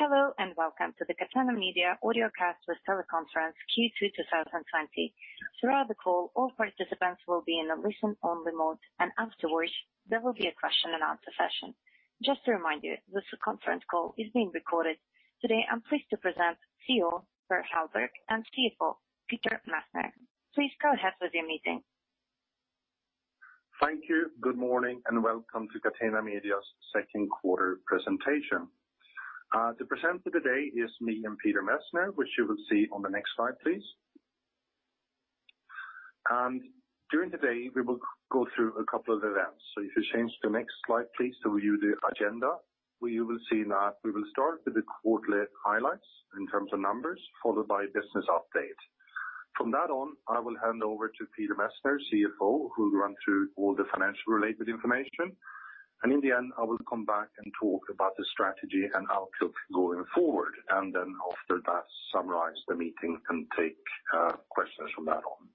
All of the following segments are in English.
Hello, welcome to the Catena Media Audiocast with Teleconference Q2 2020. Throughout the call, all participants will be in a listen-only mode, and afterwards, there will be a question and answer session. Just to remind you, this conference call is being recorded. Today, I'm pleased to present CEO, Per Hellberg, and CFO, Peter Messner. Please go ahead with your meeting. Thank you. Good morning, welcome to Catena Media's second quarter presentation. To present for today is me and Peter Messner, which you will see on the next slide, please. During the day, we will go through a couple of events. If you change to the next slide, please, you view the agenda, where you will see that we will start with the quarterly highlights in terms of numbers, followed by a business update. From that on, I will hand over to Peter Messner, CFO, who will run through all the financially related information, and in the end, I will come back and talk about the strategy and outlook going forward, and then after that, summarize the meeting and take questions from that on.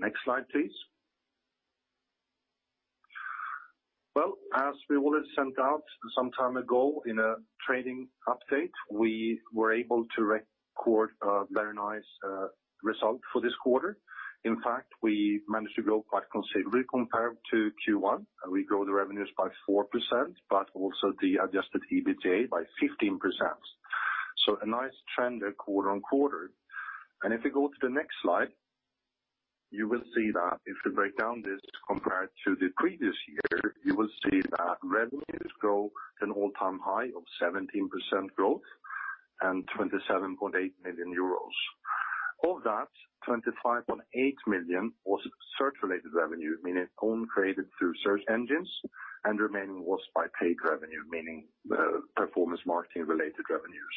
Next slide, please. Well, as we already sent out some time ago in a trading update, we were able to record a very nice result for this quarter. In fact, we managed to grow quite considerably compared to Q1. We grew the revenues by 4%, but also the adjusted EBITDA by 15%. A nice trend there quarter-on-quarter. If we go to the next slide, you will see that if we break down this compared to the previous year, you will see that revenues grow an all-time high of 17% growth and 27.8 million euros. Of that, 25.8 million was search-related revenue, meaning own-created through search engines, and remaining was by paid revenue, meaning the performance marketing-related revenues.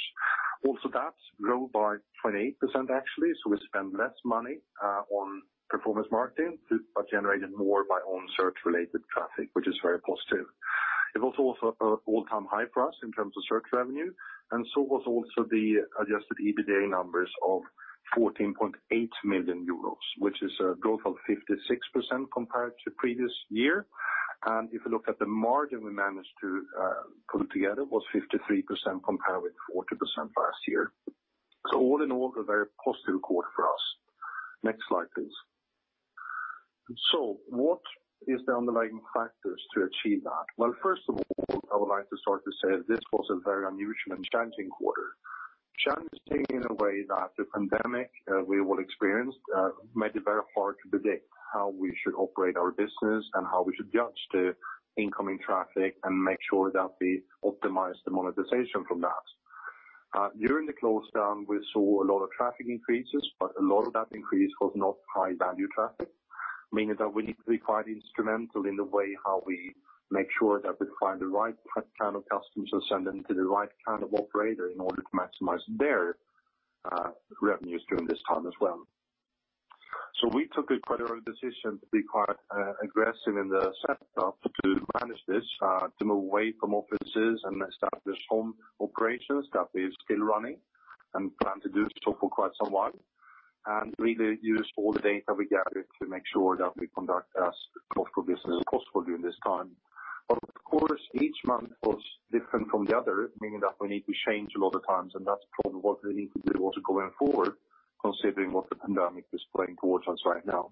Also, that grew by 28%, actually, we spend less money on performance marketing, generated more by own search-related traffic, which is very positive. It was also an all-time high for us in terms of search revenue, and so was also the adjusted EBITDA numbers of €14.8 million, which is a growth of 56% compared to previous year. If you look at the margin we managed to put together, was 53% compared with 40% last year. All in all, a very positive quarter for us. Next slide, please. What is the underlying factors to achieve that? Well, first of all, I would like to start to say this was a very unusual and challenging quarter. Challenging in a way that the pandemic we all experienced made it very hard to predict how we should operate our business and how we should judge the incoming traffic and make sure that we optimize the monetization from that. During the close-down, we saw a lot of traffic increases, but a lot of that increase was not high-value traffic, meaning that we need to be quite instrumental in the way how we make sure that we find the right kind of customers and send them to the right kind of operator in order to maximize their revenues during this time as well. We took a quite early decision to be quite aggressive in the setup to manage this, to move away from offices and establish home operations that we are still running and plan to do so for quite some while, and really use all the data we gathered to make sure that we conduct as thoughtful business as possible during this time. Of course, each month was different from the other, meaning that we need to change a lot of times, and that's probably what we need to do also going forward, considering what the pandemic is playing towards us right now.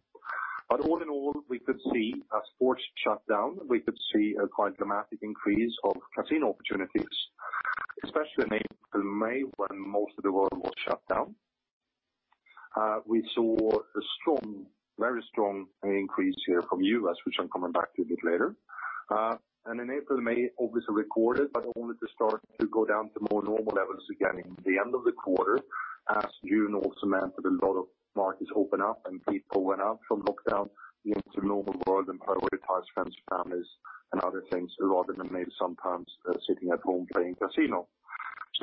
All in all, we could see as sports shut down, we could see a quite dramatic increase of casino opportunities, especially in April and May, when most of the world was shut down. We saw a very strong increase here from U.S., which I'm coming back to a bit later. In April and May, obviously recorded, but only to start to go down to more normal levels again in the end of the quarter as June also meant that a lot of markets opened up and people went out from lockdown into the normal world and prioritized friends, families, and other things rather than maybe sometimes sitting at home playing casino.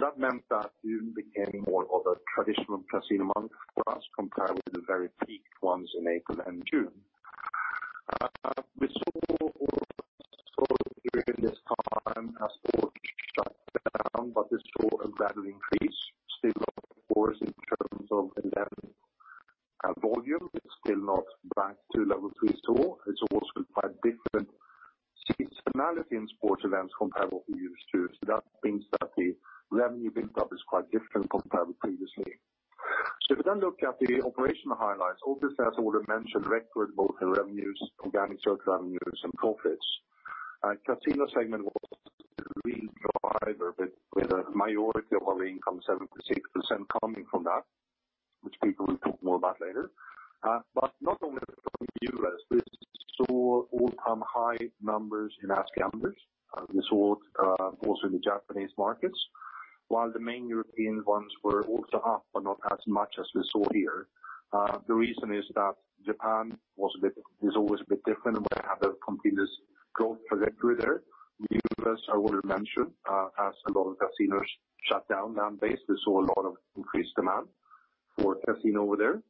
That meant that June became more of a traditional casino month for us compared with the very peak ones in April and June. We saw also during this time as sports shut down, but we saw a gradual increase still, of course, in terms of the volume. It's still not back to Level 3 at all. It's also quite different seasonality in sports events compared what we're used to. That means that the revenue build-up is quite different compared with previously. If you look at the operational highlights, obviously, as already mentioned, record both in revenues, organic search revenues, and profits. Casino segment was the real driver with a majority of our income, 76% coming from that, which Peter will talk more about later. Not only from the U.S., we saw all-time high numbers in AskGamblers. We saw it also in the Japanese markets, while the main European ones were also up, but not as much as we saw here. The reason is that Japan is always a bit different and will have a continuous growth trajectory there. The U.S., I already mentioned, as a lot of casinos shut down land-based. We saw a lot of increased demand for casino over there.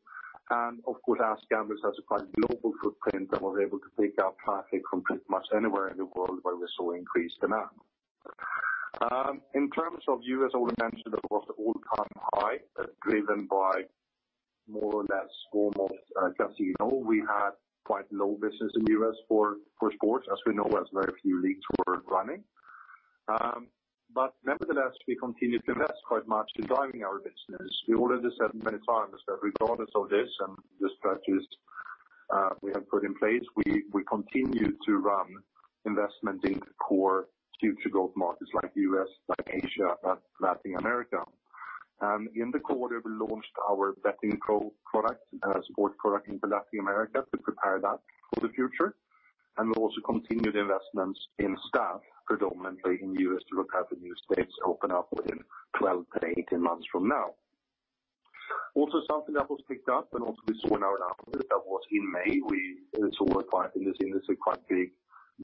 Of course, AskGamblers has a quite global footprint, and we're able to take our traffic from pretty much anywhere in the world where we saw increased demand. In terms of U.S., already mentioned, it was all-time high, driven by More or less, almost. As you know, we had quite low business in the U.S. for sports, as we know, as very few leagues were running. Nevertheless, we continued to invest quite much in driving our business. We already said many times that regardless of this and the strategies we have put in place, we continue to run investment in core future growth markets like the U.S., Asia, and Latin America. In the quarter, we launched our BettingPro product, a sports product into Latin America to prepare that for the future. We also continued investments in staff, predominantly in the U.S., to prepare for new states to open up within 12-18 months from now. Something that was picked up and also we saw in our numbers, that was in May, we saw what in this industry is quite a big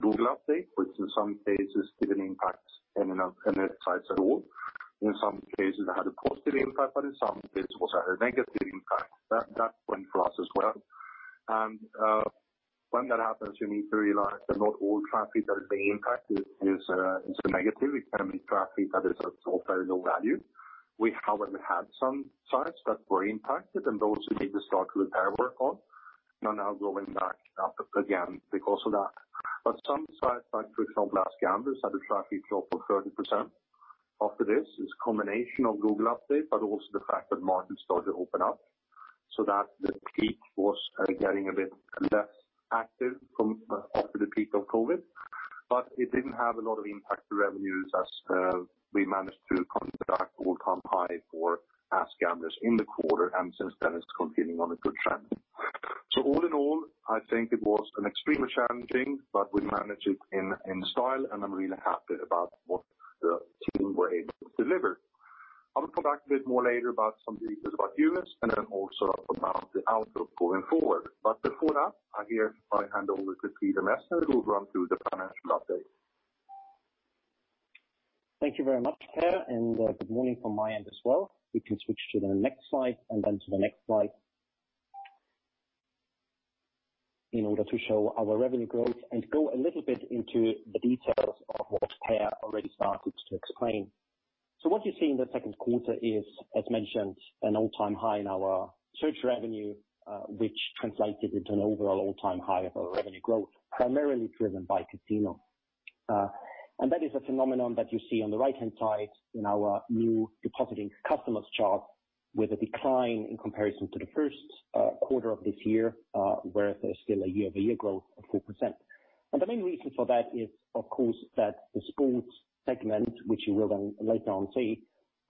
Google update, which in some cases didn't impact any sites at all. In some cases, it had a positive impact, but in some cases it also had a negative impact. That went for us as well. When that happens, you need to realize that not all traffic that is being impacted is negative. It can be traffic that is of very low value. We, however, had some sites that were impacted, and those we need to start repair work on. Going back up again because of that. Some sites like, for example, AskGamblers, had a traffic drop of 30%. After this, it's a combination of Google update, but also the fact that markets started to open up, so that the peak was getting a bit less active after the peak of COVID. It didn't have a lot of impact to revenues as we managed to contract all-time high for AskGamblers in the quarter, and since then it's continuing on a good trend. All in all, I think it was extremely challenging, but we managed it in style, and I'm really happy about what the team were able to deliver. I will come back a bit more later about some details about U.S. and then also about the outlook going forward. Before that, I hand over to Peter Messner, who will run through the financial update. Thank you very much, Per, good morning from my end as well. We can switch to the next slide in order to show our revenue growth and go a little bit into the details of what Per already started to explain. What you see in the second quarter is, as mentioned, an all-time high in our search revenue, which translated into an overall all-time high of our revenue growth, primarily driven by casino. That is a phenomenon that you see on the right-hand side in our New Depositing Customers chart, with a decline in comparison to the first quarter of this year, where there's still a year-over-year growth of 4%. The main reason for that is, of course, that the sports segment, which you will then later on see,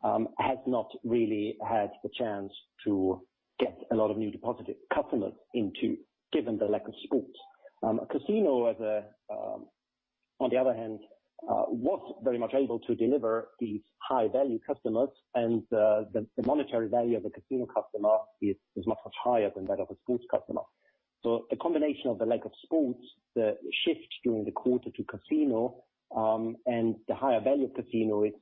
has not really had the chance to get a lot of New Depositing Customers into, given the lack of sports. Casino, on the other hand, was very much able to deliver these high-value customers, and the monetary value of a casino customer is much, much higher than that of a sports customer. The combination of the lack of sports, the shift during the quarter to casino, and the higher value of casino is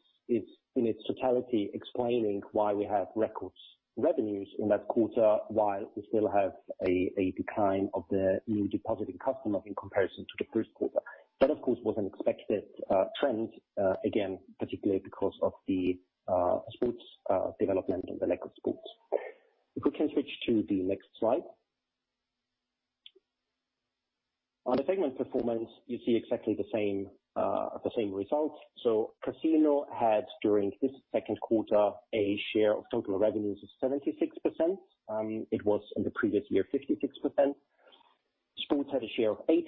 in its totality explaining why we have record revenues in that quarter, while we still have a decline of the New Depositing Customers in comparison to the first quarter. That, of course, was an expected trend, again, particularly because of the sports development and the lack of sports. If we can switch to the next slide. On the segment performance, you see exactly the same results. Casino had, during this second quarter, a share of total revenues of 76%. It was in the previous year, 56%. Sports had a share of 18%,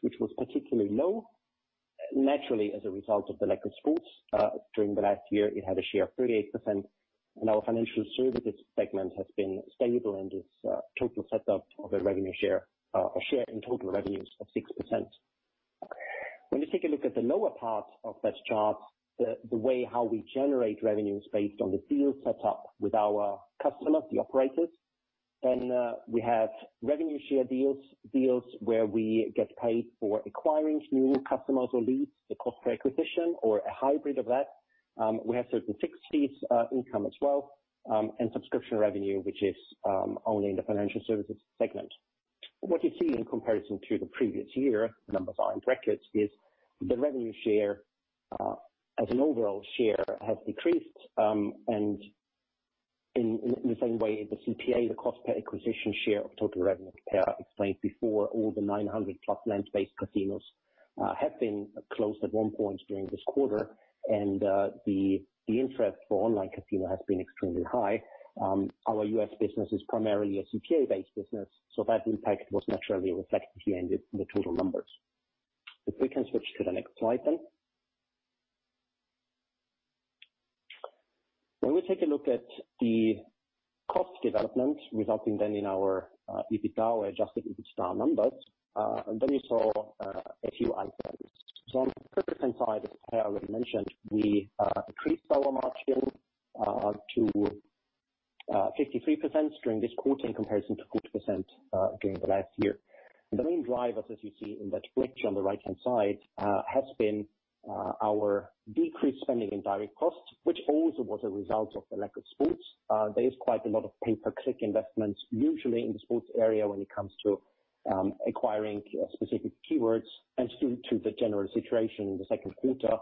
which was particularly low. Naturally, as a result of the lack of sports. During the last year, it had a share of 38%, and our financial services segment has been stable in this total setup of a share in total revenues of 6%. When we take a look at the lower part of that chart, the way how we generate revenues based on the deal set up with our customers, the operators, then we have revenue share deals where we get paid for acquiring new customers or leads, the cost per acquisition or a hybrid of that. We have certain fixed fees income as well, and subscription revenue, which is only in the financial services segment. What you see in comparison to the previous year, the numbers are in brackets, is the revenue share as an overall share has decreased. In the same way, the CPA, the cost per acquisition share of total revenue Per explained before, all the 900+ land-based casinos have been closed at one point during this quarter. The interest for online casino has been extremely high. Our U.S. business is primarily a CPA-based business, so that impact was naturally reflected here in the total numbers. If we can switch to the next slide, then. When we take a look at the cost development resulting then in our EBITDA or adjusted EBITDA numbers, and then we saw a few items. On the first side, as Per already mentioned, we increased our margin to 53% during this quarter in comparison to 40% during the last year. The main drivers, as you see in that glitch on the right-hand side, has been our decreased spending in direct costs, which also was a result of the lack of sports. There is quite a lot of pay-per-click investments usually in the sports area when it comes to acquiring specific keywords, and due to the general situation in the second quarter,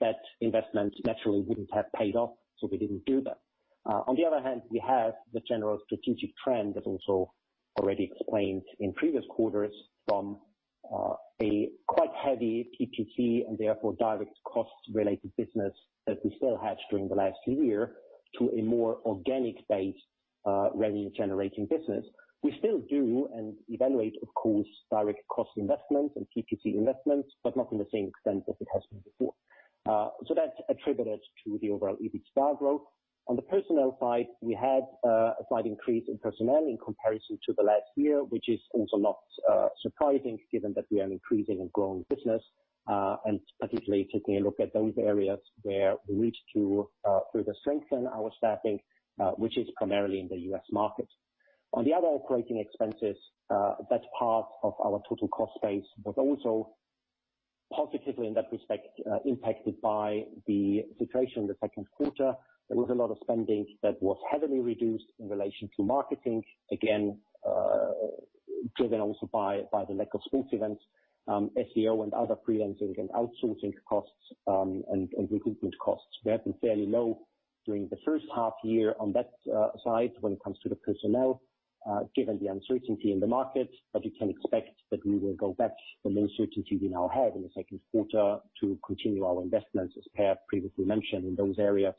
that investment naturally wouldn't have paid off, so we didn't do that. On the other hand, we have the general strategic trend that's also already explained in previous quarters from a quite heavy PPC and therefore direct cost related business as we still had during the last year to a more organic-based revenue generating business. We still do and evaluate, of course, direct cost investments and PPC investments, but not in the same extent as it has been before. That attributed to the overall EBITDA growth. On the personnel side, we had a slight increase in personnel in comparison to the last year, which is also not surprising given that we are increasing and growing business, and particularly taking a look at those areas where we wish to further strengthen our staffing, which is primarily in the U.S. market. On the other operating expenses, that's part of our total cost base, but also positively in that respect, impacted by the situation in the second quarter. There was a lot of spending that was heavily reduced in relation to marketing. Again, driven also by the lack of sports events, SEO and other freelancing and outsourcing costs, and recruitment costs. We have been fairly low during the first half-year on that side when it comes to the personnel, given the uncertainty in the market, but you can expect that we will go back to the uncertainty we now have in the second quarter to continue our investments, as Per previously mentioned, in those areas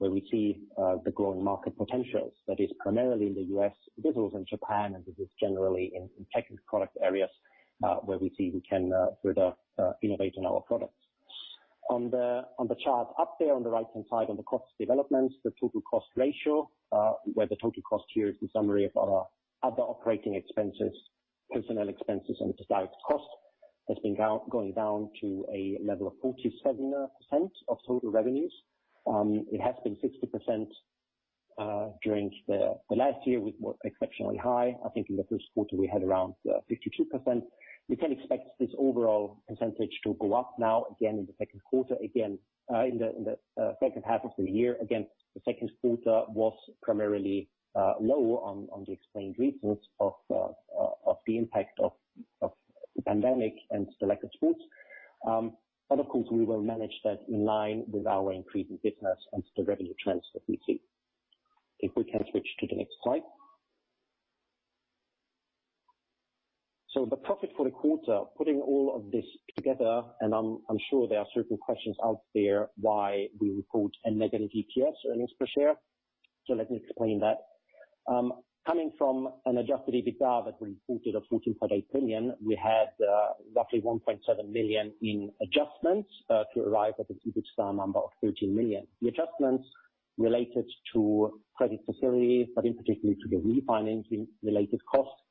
where we see the growing market potentials. That is primarily in the U.S. business and Japan, this is generally in technical product areas, where we see we can further innovate on our products. On the chart up there on the right-hand side on the cost developments, the total cost ratio, where the total cost here is the summary of our other operating expenses, personnel expenses, and the direct cost, has been going down to a level of 47% of total revenues. It has been 60% during the last year, which was exceptionally high. I think in the first quarter, we had around 52%. You can expect this overall percentage to go up now again in the second quarter, again, in the second half of the year. The second quarter was primarily lower on the explained reasons of the impact of the pandemic and selected sports. Of course, we will manage that in line with our increasing business and the revenue trends that we see. If we can switch to the next slide. The profit for the quarter, putting all of this together, and I am sure there are certain questions out there why we report a negative EPS, earnings per share. Let me explain that. Coming from an adjusted EBITDA that we reported of 14.8 million, we had roughly 1.7 million in adjustments, to arrive at a EBITDA number of 13 million. The adjustments related to credit facilities, but in particular to the refinancing related costs.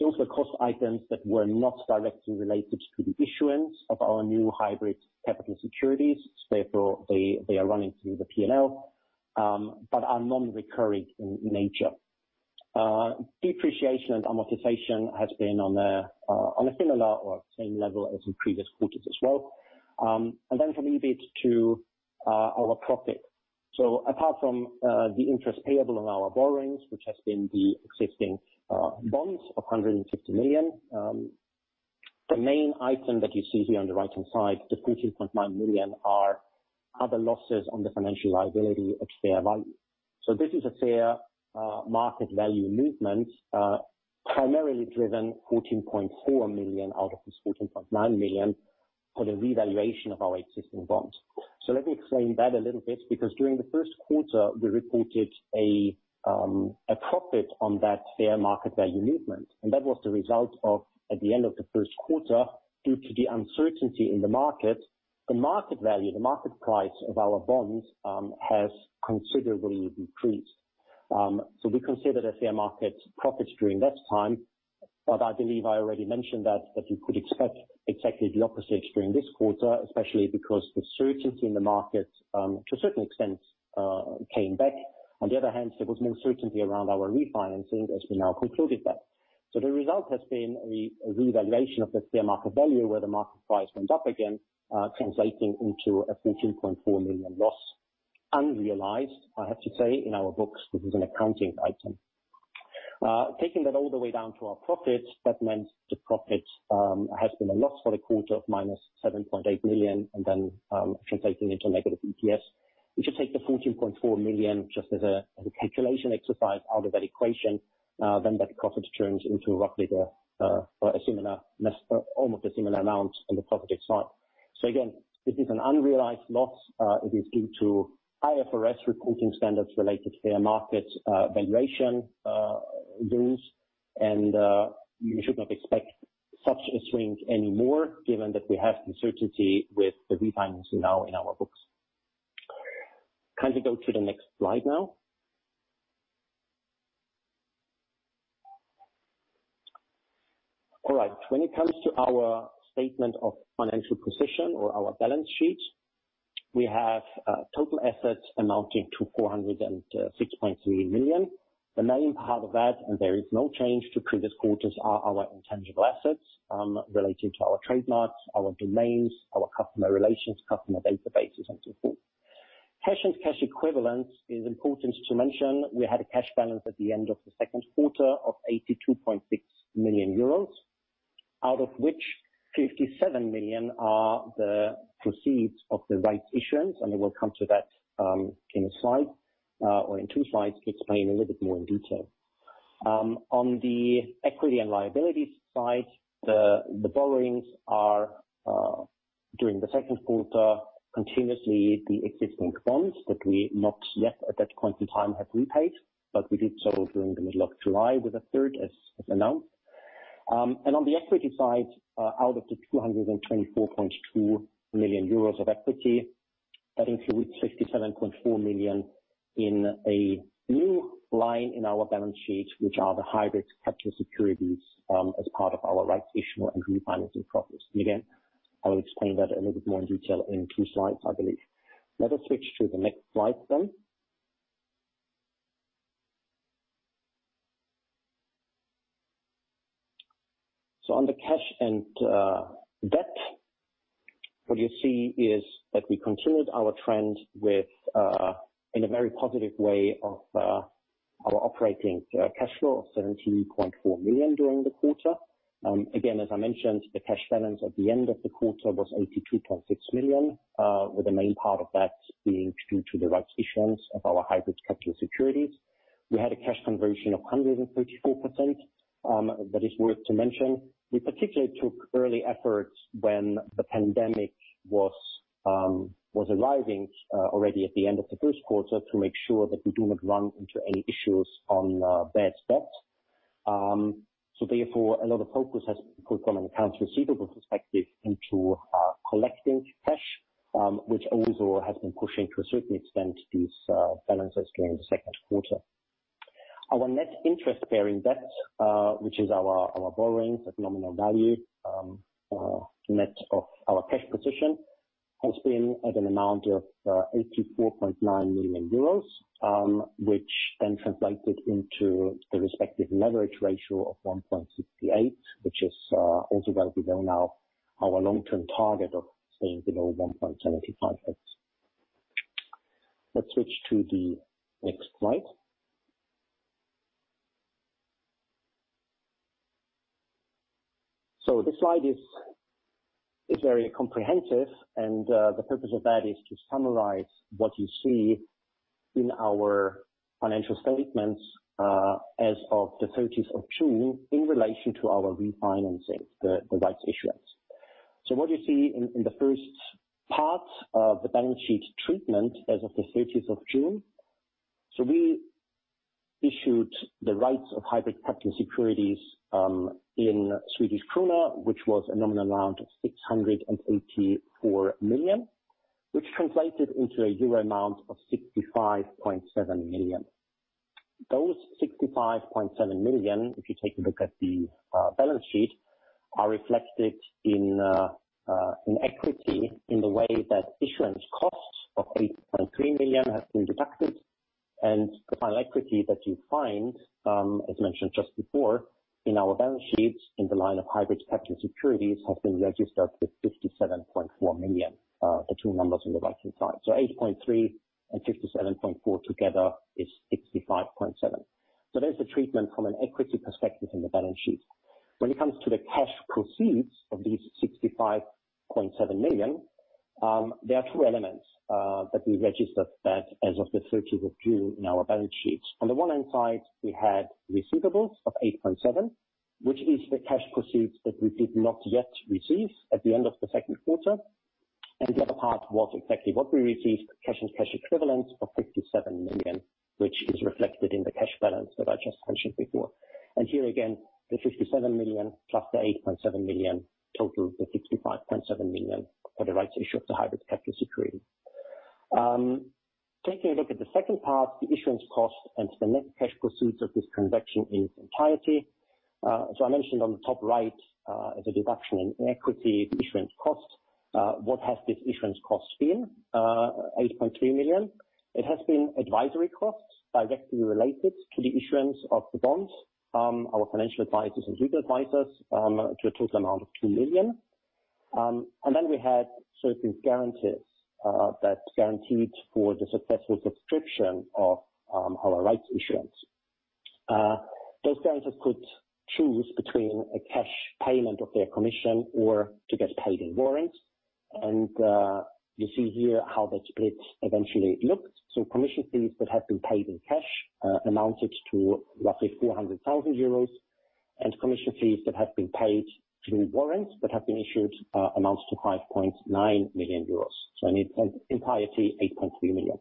Those were cost items that were not directly related to the issuance of our new hybrid capital securities, therefore they are running through the P&L, but are non-recurring in nature. Depreciation and amortization has been on a similar or same level as in previous quarters as well. Then from EBIT to our profit. Apart from the interest payable on our borrowings, which has been the existing bonds of 150 million, the main item that you see here on the right-hand side, the 14.9 million, are other losses on the financial liability at fair value. This is a fair market value movement, primarily driven 14.4 million out of this 14.9 million for the revaluation of our existing bonds. Let me explain that a little bit, because during the first quarter, we reported a profit on that fair market value movement. That was the result of, at the end of the first quarter, due to the uncertainty in the market, the market value, the market price of our bonds has considerably decreased. We considered a fair market profits during that time, but I believe I already mentioned that you could expect exactly the opposite during this quarter, especially because the certainty in the market, to a certain extent, came back. On the other hand, there was no certainty around our refinancing as we now concluded that. The result has been a revaluation of the fair market value where the market price went up again, translating into a 14.4 million loss. Unrealized, I have to say, in our books, this is an accounting item. Taking that all the way down to our profit, that meant the profit has been a loss for the quarter of minus 7.8 million. Then translating into negative EPS. If you take the 14.4 million just as a calculation exercise out of that equation, that profit turns into roughly almost a similar amount on the profit side. Again, this is an unrealized loss. It is due to IFRS reporting standards related to fair market valuation loss. You should not expect such a swing anymore given that we have the certainty with the refinancing now in our books. Can we go to the next slide now? All right. When it comes to our statement of financial position or our balance sheet, we have total assets amounting to 406.3 million. The main part of that, and there is no change to previous quarters, are our intangible assets related to our trademarks, our domains, our customer relations, customer databases, and so forth. Cash and cash equivalents is important to mention. We had a cash balance at the end of the second quarter of 82.6 million euros, out of which 57 million are the proceeds of the rights issuance, and we will come to that in a slide or in two slides to explain a little bit more in detail. On the equity and liabilities side, the borrowings are, during the second quarter, continuously the existing bonds that we not yet at that point in time have repaid, but we did so during the middle of July with a third, as announced. On the equity side, out of the 224.2 million euros of equity, that includes 67.4 million in a new line in our balance sheet, which are the hybrid capital securities as part of our rights issue and refinancing process. Again, I will explain that a little bit more in detail in two slides, I believe. Let us switch to the next slide. On the cash and debt, what you see is that we continued our trend in a very positive way of our operating cash flow of 17.4 million during the quarter. Again, as I mentioned, the cash balance at the end of the quarter was 82.6 million, with the main part of that being due to the rights issuance of our hybrid capital securities. We had a cash conversion of 134%, that is worth to mention. We particularly took early efforts when the pandemic was arriving already at the end of the first quarter to make sure that we do not run into any issues on bad spots. Therefore, a lot of focus has been put on an accounts receivable perspective into collecting cash, which also has been pushing to a certain extent, these balances during the second quarter. Our net interest-bearing debt, which is our borrowings at nominal value, net of our cash position, has been at an amount of 84.9 million euros, which then translated into the respective leverage ratio of 1.68, which is also where we are now our long-term target of staying below 1.75. Let's switch to the next slide. This slide is very comprehensive, and the purpose of that is to summarize what you see in our financial statements as of the 30th of June in relation to our refinancing the rights issuance. What you see in the first part of the balance sheet treatment as of the 30th of June. We issued the rights of hybrid capital securities in Swedish krona, which was a nominal amount of 684 million, which translated into a euro amount of 65.7 million. Those 65.7 million, if you take a look at the balance sheet, are reflected in equity in the way that issuance costs of 8.3 million have been deducted, and the final equity that you find, as mentioned just before, in our balance sheets in the line of hybrid capital securities have been registered with 57.4 million, the two numbers on the right-hand side. 8.3 and 57.4 together is 65.7. There's the treatment from an equity perspective in the balance sheet. When it comes to the cash proceeds of these 65.7 million, there are two elements that we registered that as of the 30th of June in our balance sheets. On the one-hand side, we had receivables of 8.7 million, which is the cash proceeds that we did not yet receive at the end of the second quarter. The other part was exactly what we received, cash and cash equivalents of 57 million, which is reflected in the cash balance that I just mentioned before. Here again, the 57 million plus the 8.7 million total, the 65.7 million for the rights issue of the hybrid capital security. Taking a look at the second part, the issuance cost and the net cash proceeds of this transaction in its entirety. I mentioned on the top right, as a deduction in equity issuance cost, what has this issuance cost been? 8.3 million. It has been advisory costs directly related to the issuance of the bonds, our financial advisors and legal advisors, to a total amount of 2 million. Then we had certain guarantors that guaranteed for the successful subscription of our rights issuance. Those guarantors could choose between a cash payment of their commission or to get paid in warrants. You see here how that split eventually looked. Commission fees that have been paid in cash amounted to roughly €400,000, and commission fees that have been paid through warrants that have been issued amount to €5.9 million. In its entirety, 8.3 million.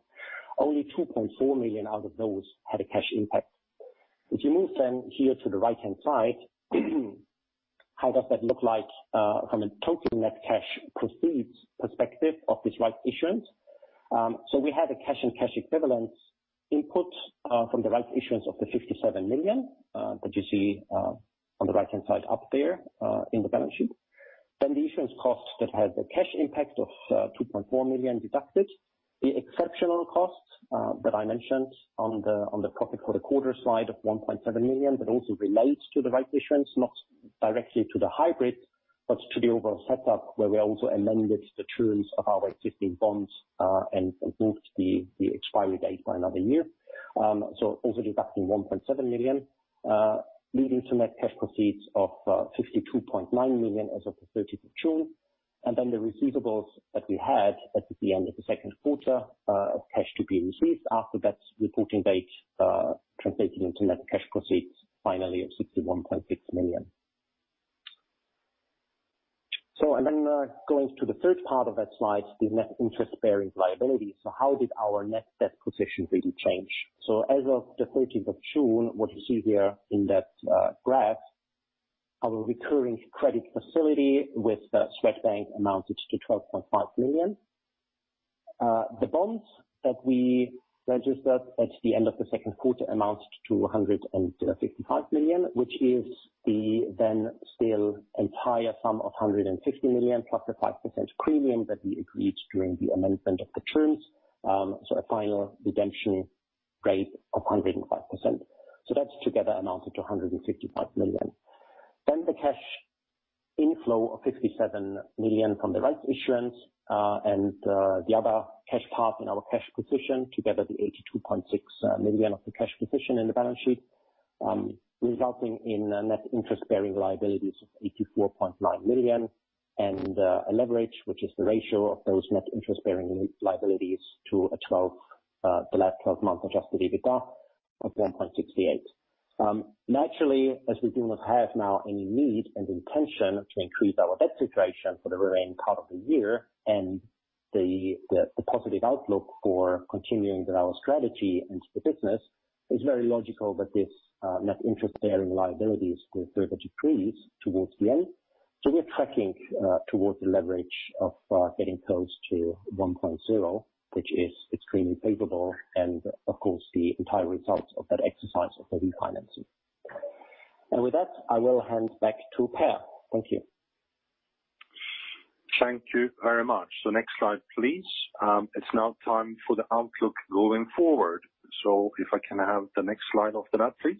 Only 2.4 million out of those had a cash impact. If you move here to the right-hand side, how does that look like from a total net cash proceeds perspective of this right issuance? We had a cash and cash equivalent input from the right issuance of the 57 million that you see on the right-hand side up there in the balance sheet. The issuance cost that had the cash impact of 2.4 million deducted. The exceptional cost that I mentioned on the profit for the quarter slide of 1.7 million, that also relates to the right issuance, not directly to the hybrid, but to the overall setup where we also amended the terms of our existing bonds, and improved the expiry date by another year. Also deducting 1.7 million, leading to net cash proceeds of 52.9 million as of the 30th of June. The receivables that we had at the end of the second quarter of cash to be received after that reporting date, translated into net cash proceeds finally of 61.6 million. Going to the third part of that slide, the net interest-bearing liabilities. How did our net debt position really change? As of the 30th of June, what you see here in that graph, our recurring credit facility with Swedbank amounted to 12.5 million. The bonds that we registered at the end of the second quarter amounted to 155 million, which is the then still entire sum of 150 million plus the 5% premium that we agreed during the amendment of the terms. A final redemption rate of 105%. That together amounted to 155 million. The cash inflow of 57 million from the rights issuance, and the other cash part in our cash position, together the 82.6 million of the cash position in the balance sheet, resulting in net interest-bearing liabilities of 84.9 million, and a leverage, which is the ratio of those net interest-bearing liabilities to the last 12 months adjusted EBITDA of 1.68. Naturally, as we do not have now any need and intention to increase our debt situation for the remaining part of the year, and the positive outlook for continuing with our strategy into the business, it's very logical that this net interest-bearing liabilities will further decrease towards the end. We are tracking towards the leverage of getting close to 1.0, which is extremely favorable, and of course, the entire result of that exercise of the refinancing. With that, I will hand back to Per. Thank you. Thank you very much. Next slide, please. It's now time for the outlook going forward. If I can have the next slide after that, please.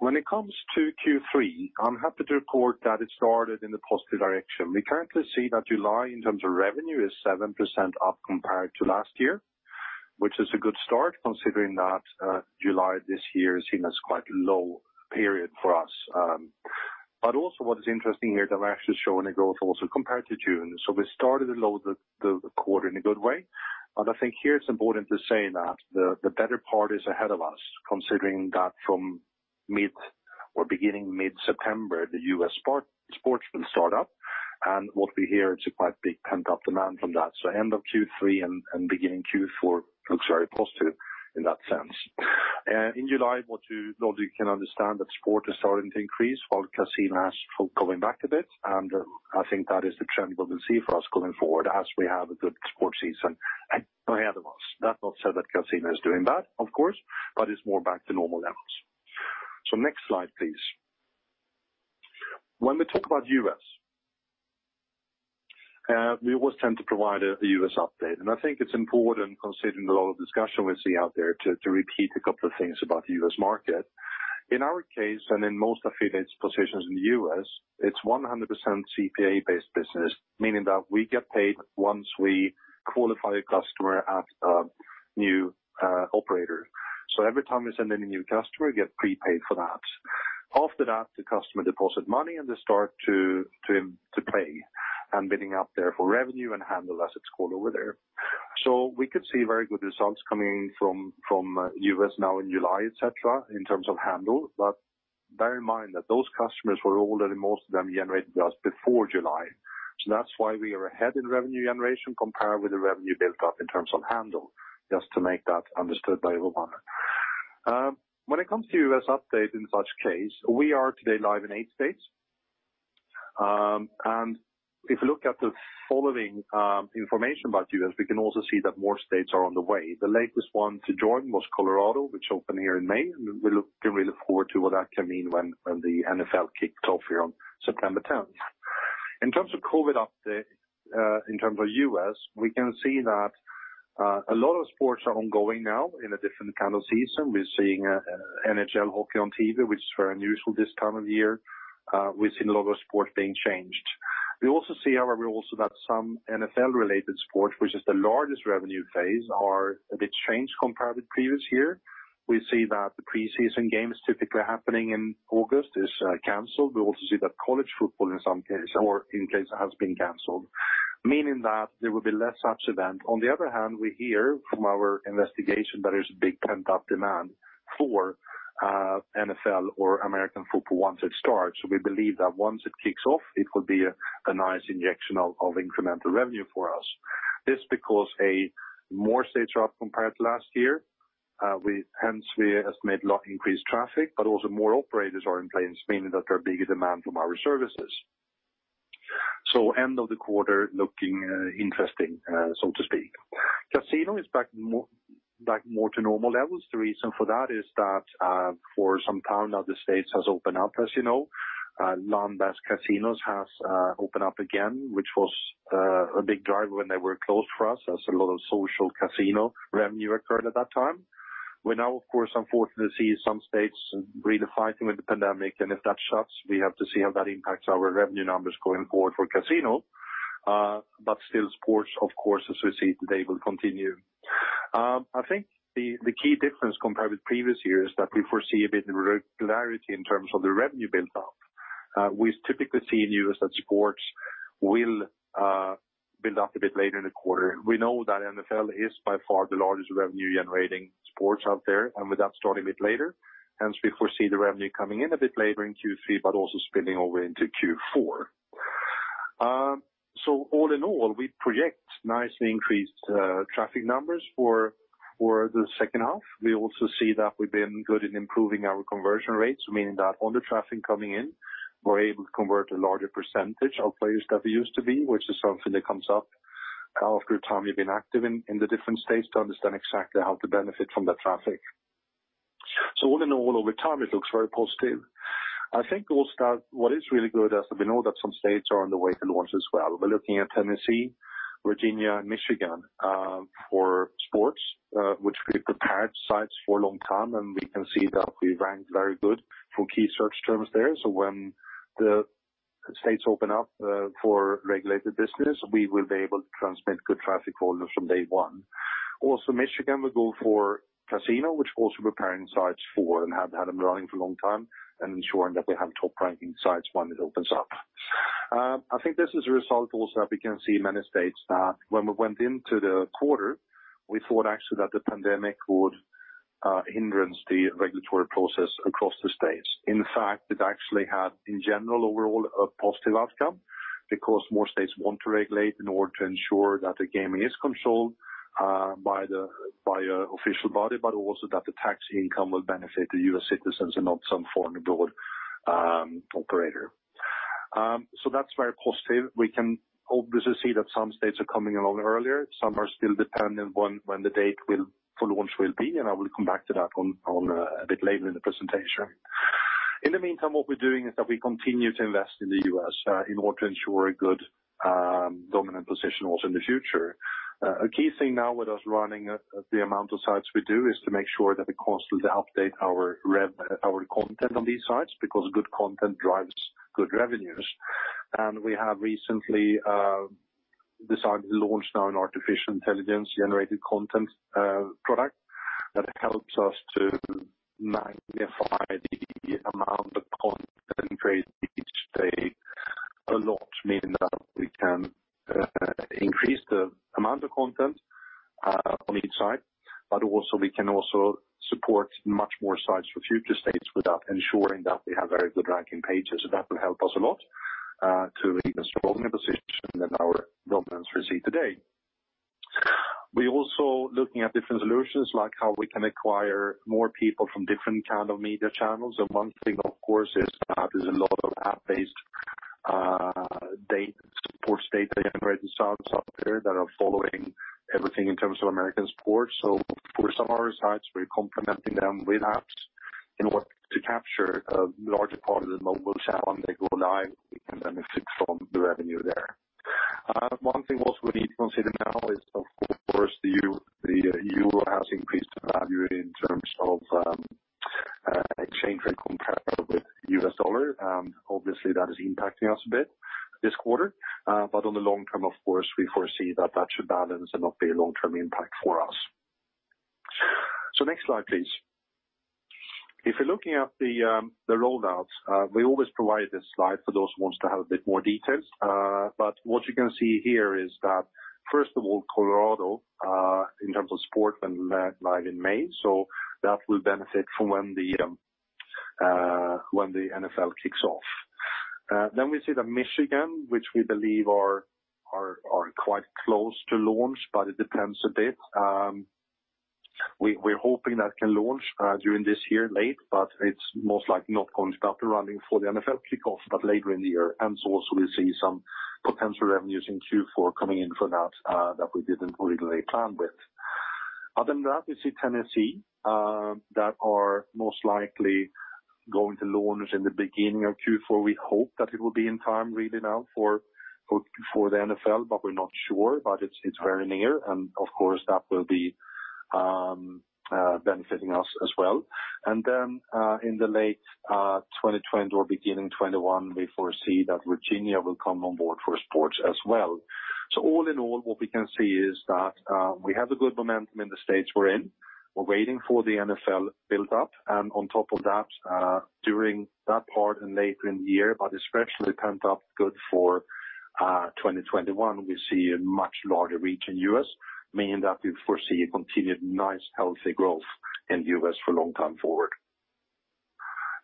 When it comes to Q3, I'm happy to report that it started in a positive direction. We currently see that July in terms of revenue is 7% up compared to last year, which is a good start considering that July this year is seen as quite a low period for us. Also what is interesting here that we're actually showing a growth also compared to June. We started the quarter in a good way, but I think here it's important to say that the better part is ahead of us, considering that from mid or beginning mid-September, the U.S. sports will start up, and what we hear it's a quite big pent-up demand from that. End of Q3 and beginning Q4 looks very positive in that sense. In July, what you logically can understand that sport is starting to increase while casino has gone back a bit, and I think that is the trend we will see for us going forward as we have a good sports season ahead of us. That's not to say that casino is doing bad, of course, but it's more back to normal levels. Next slide, please. When we talk about U.S., we always tend to provide a U.S. update. I think it's important considering a lot of discussion we see out there to repeat a couple of things about the U.S. market. In our case, and in most affiliates' positions in the U.S., it's 100% CPA-based business, meaning that we get paid once we qualify a customer at a new operator. Every time we send in a new customer, we get prepaid for that. After that, the customer deposit money and they start to play and building up their revenue and handle, as it's called over there. We could see very good results coming from U.S. now in July, et cetera, in terms of handle, but bear in mind that those customers were already most of them generated to us before July. That's why we are ahead in revenue generation compared with the revenue built up in terms of handle, just to make that understood by everyone. When it comes to U.S. update in such case, we are today live in eight states. If you look at the following information about U.S., we can also see that more states are on the way. The latest one to join was Colorado, which opened here in May, and we're looking really forward to what that can mean when the NFL kicks off here on September 10th. In terms of COVID update in terms of U.S., we can see that a lot of sports are ongoing now in a different kind of season. We're seeing NHL hockey on TV, which is very unusual this time of the year. We're seeing a lot of sports being changed. We also see that some NFL-related sports, which is the largest revenue base, are a bit changed compared with previous year. We see that the preseason game is typically happening in August is canceled. We also see that college football in some cases or in cases has been canceled, meaning that there will be less such event. We hear from our investigation there is a big pent-up demand for NFL or American football once it starts. We believe that once it kicks off, it will be a nice injection of incremental revenue for us. This because more states are up compared to last year. We estimate lot increased traffic, but also more operators are in place, meaning that there are bigger demand for our services. End of the quarter looking interesting, so to speak. Casino is back more to normal levels. The reason for that is that, for some time now the States has opened up, as you know. Land-based casinos has opened up again, which was a big driver when they were closed for us, as a lot of social casino revenue occurred at that time. We now of course unfortunately see some states really fighting with the pandemic. If that shuts, we have to see how that impacts our revenue numbers going forward for casino. Still sports of course as we see today will continue. I think the key difference compared with previous years that we foresee a bit regularity in terms of the revenue build up. We've typically seen U.S. sports will build up a bit later in the quarter. We know that NFL is by far the largest revenue generating sports out there. With that starting a bit later, hence we foresee the revenue coming in a bit later in Q3, but also spilling over into Q4. All in all, we project nicely increased traffic numbers for the second half. We also see that we've been good in improving our conversion rates, meaning that all the traffic coming in, we're able to convert a larger percentage of players than we used to be, which is something that comes up after a time you've been active in the different states to understand exactly how to benefit from that traffic. All in all, over time it looks very positive. I think also that what is really good is that we know that some states are on the way to launch as well. We're looking at Tennessee, Virginia, and Michigan, for sports, which we prepared sites for a long time, and we can see that we rank very good for key search terms there. When the states open up for regulated business, we will be able to transmit good traffic volumes from day one. Michigan will go for casino, which also preparing sites for and have had them running for a long time and ensuring that we have top ranking sites when it opens up. I think this is a result also that we can see many states that when we went into the quarter, we thought actually that the pandemic would hinder the regulatory process across the states. It actually had in general overall a positive outcome because more states want to regulate in order to ensure that the gaming is controlled by an official body, but also that the tax income will benefit the U.S. citizens and not some foreign board operator. That's very positive. We can obviously see that some states are coming along earlier. Some are still dependent on when the date will full launch will be. I will come back to that a bit later in the presentation. In the meantime, what we're doing is that we continue to invest in the U.S., in order to ensure a good dominant position also in the future. A key thing now with us running the amount of sites we do is to make sure that we constantly update our content on these sites because good content drives good revenues. We have recently decided to launch now an artificial intelligence generated content product that helps us to magnify the amount of content created each day a lot, meaning that we can increase the amount of content on each site, we can also support much more sites for future states with that ensuring that we have very good ranking pages. That will help us a lot, to even stronger position than our dominance we see today. We also looking at different solutions like how we can acquire more people from different kind of media channels, and one thing of course is that there's a lot of app-based data sports data generated sites out there that are following everything in terms of American sports. For some of our sites, we're complementing them with apps in order to capture a larger part of the mobile channel when they go live and then benefit from the revenue there. One thing also we need to consider now is of course the EUR has increased in value in terms of exchange rate compared with USD. Obviously, that is impacting us a bit this quarter. On the long term, of course, we foresee that that should balance and not be a long-term impact for us. Next slide, please. If you're looking at the rollouts, we always provide this slide for those who wants to have a bit more details. What you can see here is that first of all, Colorado, in terms of sport went live in May, that will benefit from when the NFL kicks off. We see that Michigan, which we believe are quite close to launch, it depends a bit. We're hoping that can launch during this year late, it's most likely not going to start running for the NFL kickoff, later in the year. Also we see some potential revenues in Q4 coming in for that we didn't originally plan with. Other than that, we see Tennessee, that are most likely going to launch in the beginning of Q4. We hope that it will be in time really now for the NFL, but we're not sure. It's very near, and of course, that will be benefiting us as well. In the late 2020 or beginning 2021, we foresee that Virginia will come on board for sports as well. All in all, what we can see is that we have the good momentum in the states we're in. We're waiting for the NFL build-up, and on top of that, during that part and later in the year, but especially pent up good for 2021, we see a much larger reach in U.S., meaning that we foresee a continued nice healthy growth in the U.S. for a long time forward.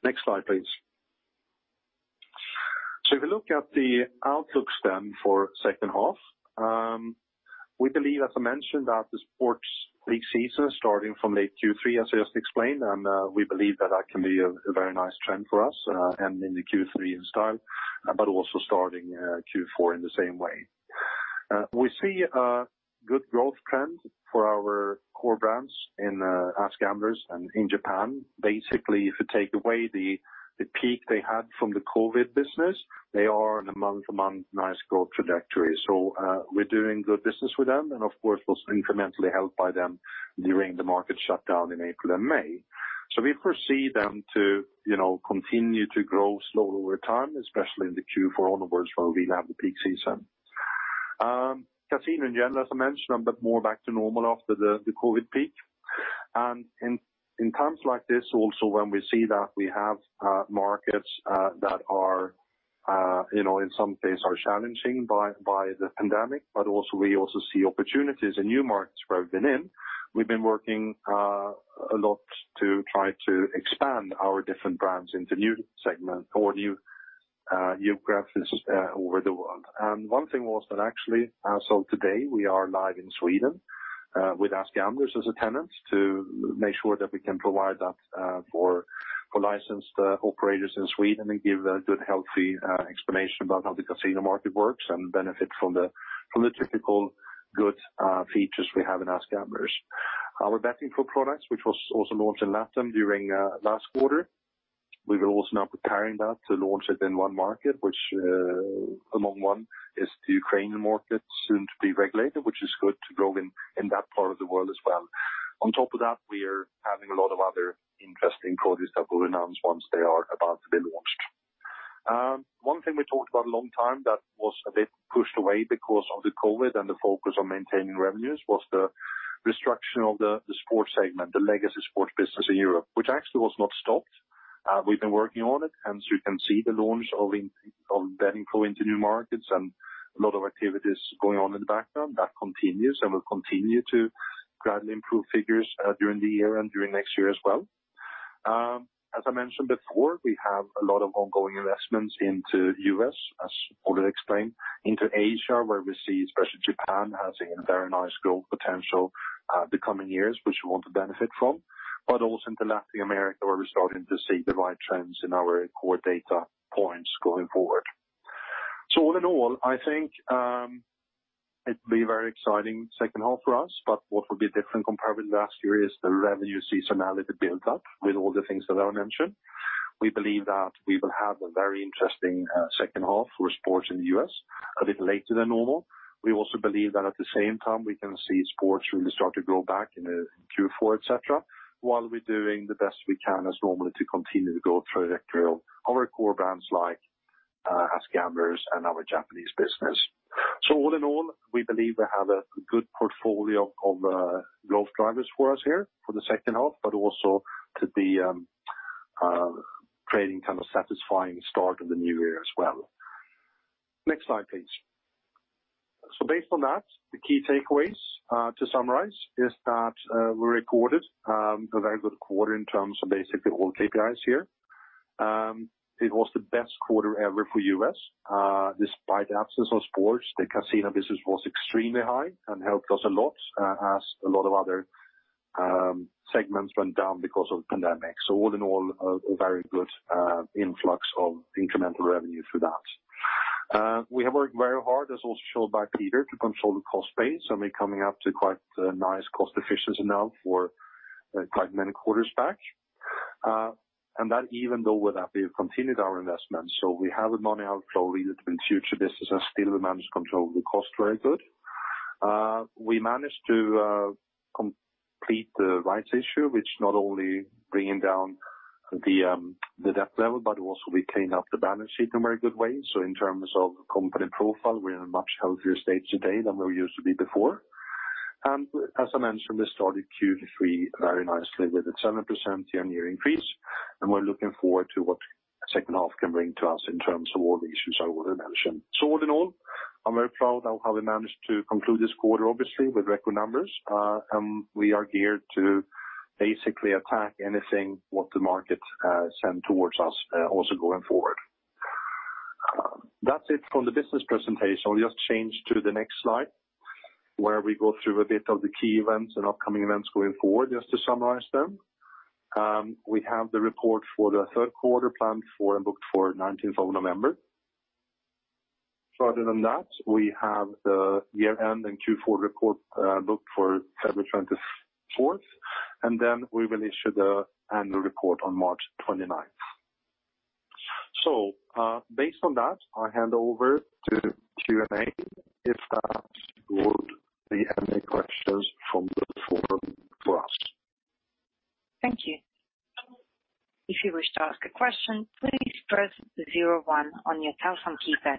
Next slide, please. If you look at the outlooks for second half, we believe, as I mentioned, that the sports league season starting from late Q3, as I just explained, we believe that that can be a very nice trend for us, ending the Q3 in style, also starting Q4 in the same way. We see a good growth trend for our core brands in AskGamblers and in Japan. Basically, if you take away the peak they had from the COVID business, they are on a month-to-month nice growth trajectory. We're doing good business with them, of course, also incrementally helped by them during the market shutdown in April and May. We foresee them to continue to grow slowly over time, especially in the Q4 onwards when we have the peak season. Casino in general, as I mentioned, a bit more back to normal after the COVID peak. In times like this also when we see that we have markets that are, in some cases are challenging by the pandemic, but also we also see opportunities in new markets where we've been in. We've been working a lot to try to expand our different brands into new segments or new geographies over the world. One thing was that actually as of today, we are live in Sweden, with AskGamblers as a tenant to make sure that we can provide that for licensed operators in Sweden and give a good, healthy explanation about how the casino market works and benefit from the typical good features we have in AskGamblers. Our BettingPro products, which was also launched in LATAM during last quarter, we are also now preparing that to launch it in one market, which among one is the Ukrainian market soon to be regulated, which is good to grow in that part of the world as well. On top of that, we are having a lot of other interesting products that will be announced once they are about to be launched. One thing we talked about a long time that was a bit pushed away because of the COVID and the focus on maintaining revenues was the restructure of the sports segment, the legacy sports business in Europe, which actually was not stopped. We've been working on it, and you can see the launch of BettingPro into new markets and a lot of activities going on in the background. That continues and will continue to gradually improve figures during the year and during next year as well. As I mentioned before, we have a lot of ongoing investments into U.S., as already explained, into Asia, where we see especially Japan has a very nice growth potential the coming years, which we want to benefit from, but also into Latin America, where we're starting to see the right trends in our core data points going forward. All in all, I think it will be very exciting second half for us. What will be different compared with last year is the revenue seasonality build-up with all the things that are mentioned. We believe that we will have a very interesting second half for sports in the U.S., a bit later than normal. We also believe that at the same time we can see sports really start to grow back in Q4, et cetera, while we're doing the best we can as normal to continue the growth trajectory of our core brands like AskGamblers and our Japanese business. All in all, we believe we have a good portfolio of growth drivers for us here for the second half, but also to be creating kind of satisfying start of the new year as well. Next slide, please. Based on that, the key takeaways to summarize is that we recorded a very good quarter in terms of basically all KPIs here. It was the best quarter ever for U.S. Despite the absence of sports, the casino business was extremely high and helped us a lot as a lot of other segments went down because of pandemic. All in all, a very good influx of incremental revenue through that. We have worked very hard, as also showed by Peter, to control the cost base, and we're coming up to quite nice cost efficiency now for quite many quarters back. That even though with that we have continued our investments. We have a money outflow into future business and still we manage to control the cost very good. We managed to complete the rights issue, which not only bringing down the debt level, but also we clean up the balance sheet in a very good way. In terms of company profile, we're in a much healthier state today than we used to be before. As I mentioned, we started Q3 very nicely with a 7% year-on-year increase, and we're looking forward to what second half can bring to us in terms of all the issues I already mentioned. All in all, I'm very proud of how we managed to conclude this quarter, obviously with record numbers. We are geared to basically attack anything what the market send towards us also going forward. That's it from the business presentation. I'll just change to the next slide, where we go through a bit of the key events and upcoming events going forward, just to summarize them. We have the report for the third quarter planned for and booked for 19th of November. Further than that, we have the year-end and Q4 report booked for February 24th, and then we will issue the annual report on March 29th. Based on that, I hand over to Q&A if that would be any questions from the forum for us. Thank you. If you wish to ask a question, please press zero one on your telephone keypad.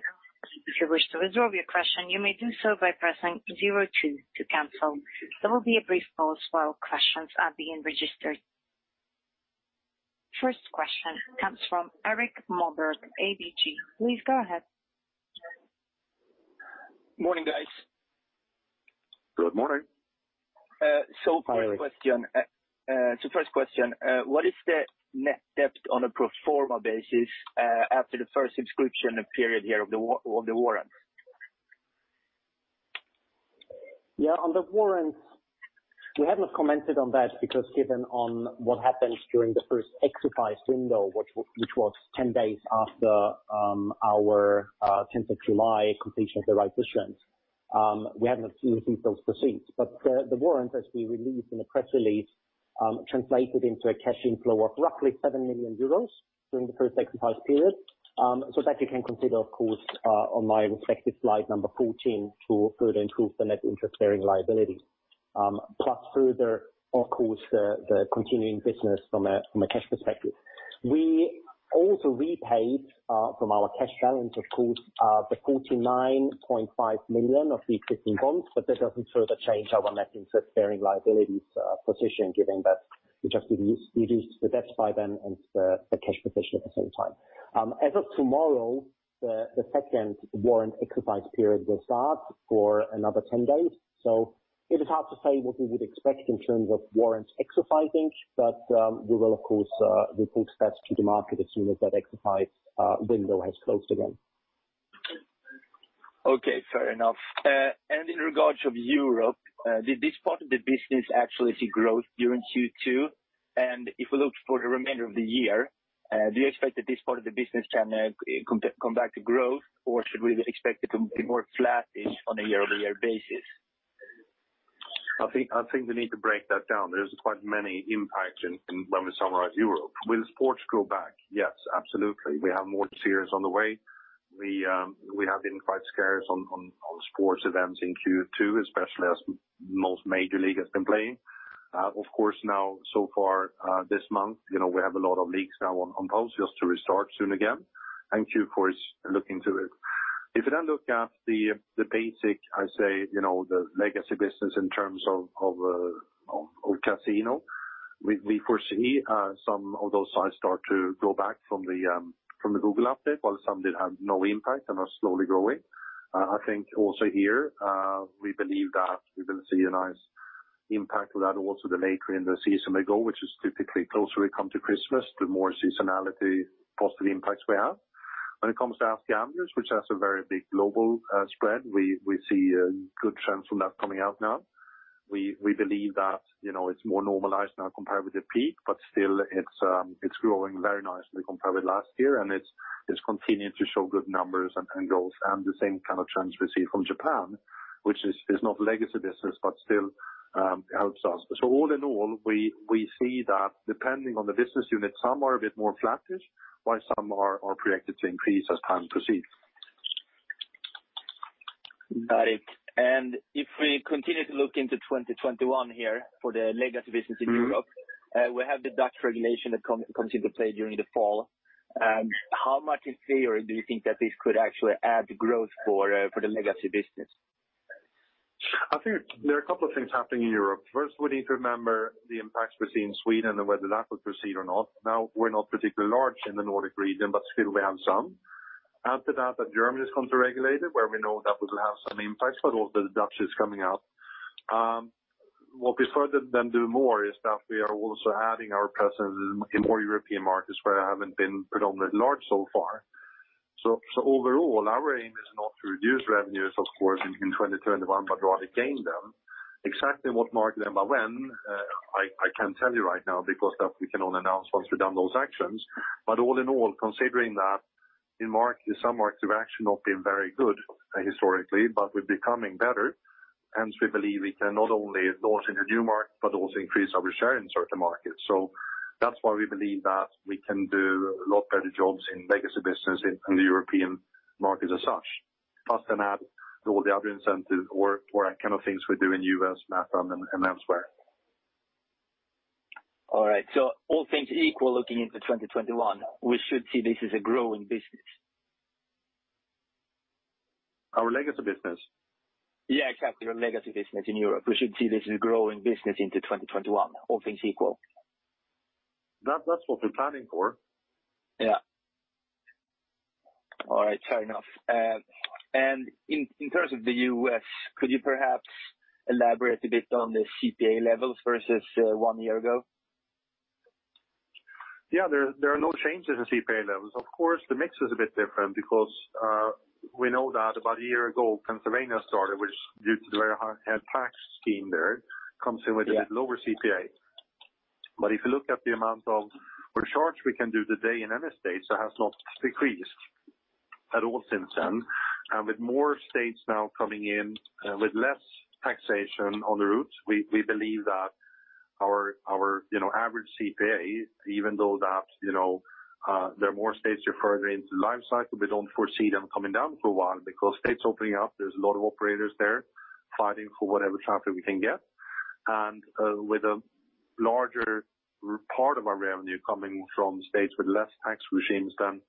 If you wish to withdraw your question, you may do so by pressing zero two to cancel. There will be a brief pause while questions are being registered. First question comes from Erik Moberg, ABG. Please go ahead. Morning, guys. Good morning. First question. What is the net debt on a pro forma basis after the first subscription period here of the warrant? On the warrants, we have not commented on that because given on what happened during the first exercise window, which was 10 days after our 10th of July completion of the rights issue, we haven't received those proceeds. The warrants as we released in the press release translated into a cash inflow of roughly 7 million euros during the first exercise period. That you can consider, of course on my respective slide number 14 to further improve the net interest-bearing liability. Plus further, of course, the continuing business from a cash perspective. We also repaid from our cash balance, of course, the 49.5 million of existing bonds, but that doesn't further change our net interest-bearing liabilities position, given that we just reduced the debt by then and the cash position at the same time. As of tomorrow, the second warrant exercise period will start for another 10 days. It is hard to say what we would expect in terms of warrants exercising. We will, of course, report that to the market as soon as that exercise window has closed again. Okay, fair enough. In regards of Europe, did this part of the business actually see growth during Q2? If we look for the remainder of the year, do you expect that this part of the business can come back to growth, or should we expect it to be more flattish on a year-over-year basis? I think we need to break that down. There's quite many impacts when we summarize Europe. Will sports grow back? Yes, absolutely. We have more tiers on the way. We have been quite scarce on sports events in Q2, especially as most major league has been playing. Now so far this month, we have a lot of leagues now on pause, just to restart soon again. Q4 is looking to it. If you look at the basic, I say, the legacy business in terms of casino, we foresee some of those sides start to go back from the Google update, while some did have no impact and are slowly growing. I think also here, we believe that we will see a nice impact of that also then later in the season they go, which is typically closer we come to Christmas, the more seasonality positive impacts we have. When it comes to AskGamblers, which has a very big global spread, we see good trends from that coming out now. We believe that it's more normalized now compared with the peak, but still it's growing very nicely compared with last year, and it's continuing to show good numbers and goals, and the same kind of trends we see from Japan, which is not legacy business but still helps us. All in all, we see that depending on the business unit, some are a bit more flattish, while some are projected to increase as time proceeds. Got it. If we continue to look into 2021 here for the legacy business in Europe, we have the Dutch regulation that comes into play during the fall. How much in theory do you think that this could actually add growth for the legacy business? I think there are a couple of things happening in Europe. First, we need to remember the impacts we see in Sweden and whether that will proceed or not. Now, we're not particularly large in the Nordic region, but still we have some. Add to that Germany is going to regulate it, where we know that will have some impacts, but also the Dutch is coming up. What we further then do more is that we are also adding our presence in more European markets where I haven't been predominantly large so far. Overall, our aim is not to reduce revenues, of course, in 2021, but rather gain them. Exactly what market and by when, I can't tell you right now because that we can only announce once we've done those actions. All in all, considering that some markets have actually not been very good historically, but we're becoming better, hence we believe we can not only launch in the new market, but also increase our share in certain markets. That's why we believe that we can do a lot better jobs in legacy business in the European markets as such. Add all the other incentives or that kind of things we do in U.S., LATAM, and elsewhere. All right. All things equal looking into 2021, we should see this as a growing business. Our legacy business? Yeah, exactly. Your legacy business in Europe. We should see this as a growing business into 2021, all things equal. That's what we're planning for. Yeah. All right. Fair enough. In terms of the U.S., could you perhaps elaborate a bit on the CPA levels versus one year ago? Yeah. There are no changes in CPA levels. Of course, the mix is a bit different because we know that about a year ago, Pennsylvania started, which due to the very hard tax scheme there, comes in with a lower CPA. If you look at the amount of recharge we can do today in any state, so has not decreased at all since then. With more states now coming in with less taxation on the route, we believe that our average CPA, even though that there are more states, you're further into the life cycle, we don't foresee them coming down for a while because states opening up, there's a lot of operators there fighting for whatever traffic we can get. With a larger part of our revenue coming from states with less tax regimes than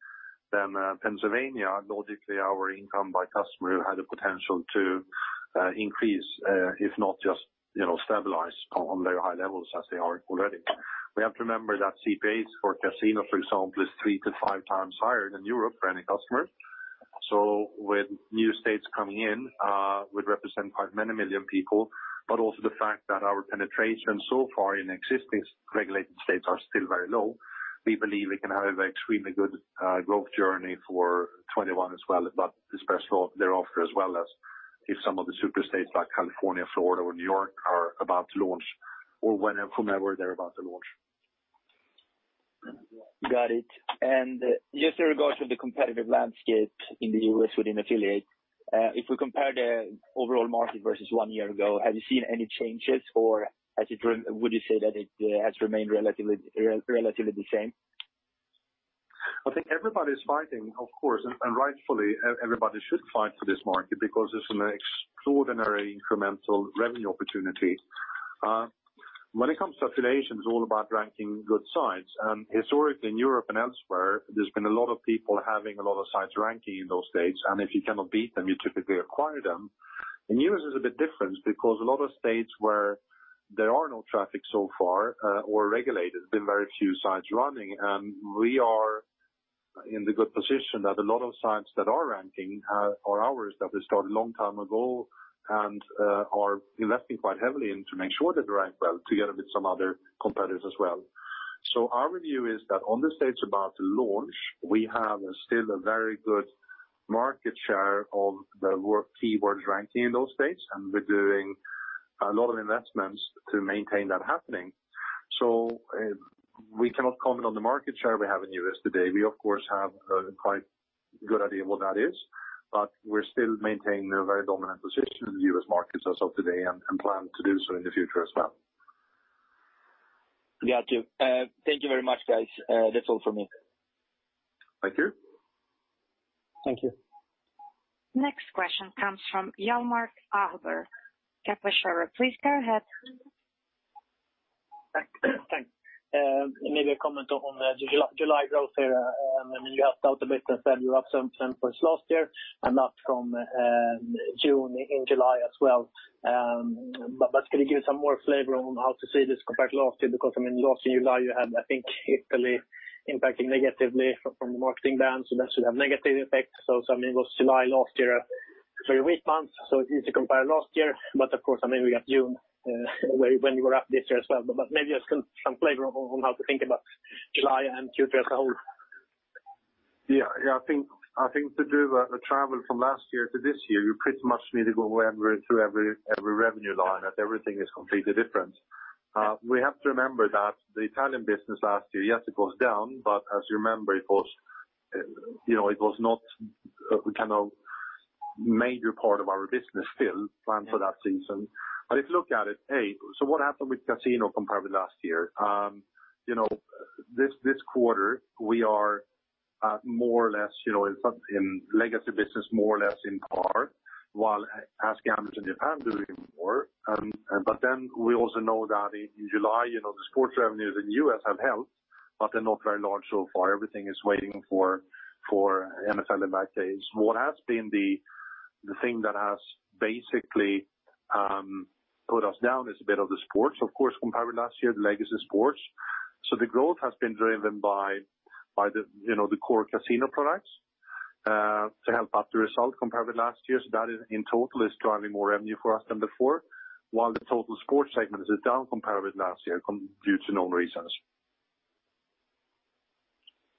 Pennsylvania, logically, our income by customer had the potential to increase, if not just stabilize on very high levels as they are already. We have to remember that CPA for casino, for example, is three to five times higher than Europe for any customer. With new states coming in, would represent quite many million people, but also the fact that our penetration so far in existing regulated states are still very low. We believe we can have an extremely good growth journey for 2021 as well, but especially thereafter as well as if some of the super states like California, Florida, or New York are about to launch or whomever they're about to launch. Got it. Just in regards to the competitive landscape in the U.S. within affiliate, if we compare the overall market versus one year ago, have you seen any changes, or would you say that it has remained relatively the same? I think everybody is fighting, of course, and rightfully, everybody should fight for this market because it's an extraordinary incremental revenue opportunity. When it comes to affiliation, it's all about ranking good sites. Historically, in Europe and elsewhere, there's been a lot of people having a lot of sites ranking in those states, and if you cannot beat them, you typically acquire them. In U.S., it's a bit different because a lot of states where there are no traffic so far, or regulated, there's been very few sites running. We are in the good position that a lot of sites that are ranking are ours, that we started a long time ago and are investing quite heavily in to make sure that they rank well together with some other competitors as well. Our view is that on the states about to launch, we have still a very good market share of the work keywords ranking in those states, and we're doing a lot of investments to maintain that happening. We cannot comment on the market share we have in the U.S. today. We, of course, have a quite good idea of what that is, but we're still maintaining a very dominant position in the U.S. market as of today and plan to do so in the future as well. Got you. Thank you very much, guys. That's all for me. Thank you. Thank you. Next question comes from Hjalmar Ahlberg, Kepler Cheuvreux. Please go ahead. Thanks. Maybe a comment on the July growth here, you helped out a bit that you have some performance last year and up from June in July as well. Can you give some more flavor on how to see this compared to last year? Because last year, July, you had, I think, Italy impacting negatively from the marketing ban, so that should have negative effect. It was July last year, a three-week month, so it is easy to compare last year. Of course, maybe we have June when you were up this year as well. Maybe just some flavor on how to think about July and Q2 as a whole. I think to do a travel from last year to this year, you pretty much need to go through every revenue line as everything is completely different. We have to remember that the Italian business last year, yes, it goes down, as you remember, it was not a kind of major part of our business still planned for that season. If you look at it, hey, what happened with casino compared with last year? This quarter we are more or less, in legacy business, more or less in par while AskGamblers in Japan doing more. We also know that in July, the sports revenues in the U.S. have helped, but they're not very large so far. Everything is waiting for NFL in my case. What has been the thing that has basically pulled us down is a bit of the sports, of course, compared with last year, the legacy sports. The growth has been driven by the core casino products to help up the result compared with last year. That in total is driving more revenue for us than before, while the total sports segment is down compared with last year due to known reasons.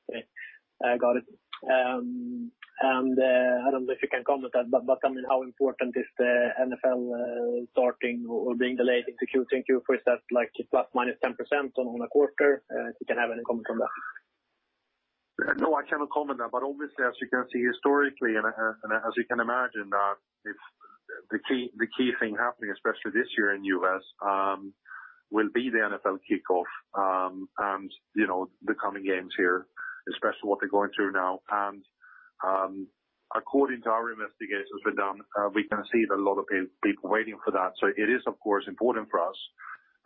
Okay. Got it. I don't know if you can comment that, but how important is the NFL starting or being delayed into Q3 and Q4? Is that like ±10% on a quarter? If you can have any comment on that. No, I cannot comment on that. Obviously, as you can see historically, and as you can imagine, that the key thing happening, especially this year in U.S., will be the NFL kickoff, and the coming games here, especially what they're going through now. According to our investigations we've done, we can see that a lot of people waiting for that. It is, of course, important for us.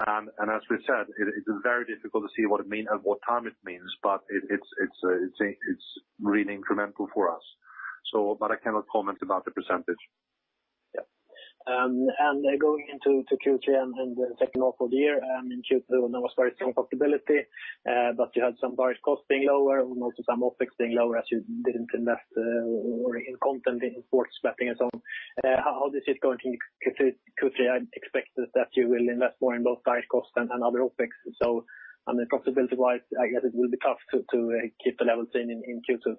As we said, it is very difficult to see what it mean and what time it means, but it's really incremental for us. I cannot comment about the percentage. Yeah. Going into Q3 and the second half of the year, in Q2, there was very strong profitability, but you had some direct costs being lower and also some OpEx being lower as you didn't invest in content, in sports mapping and so on. How is it going in Q3? I expect that you will invest more in both direct costs and other OpEx. On the profitability-wise, I guess it will be tough to keep the levels in Q2.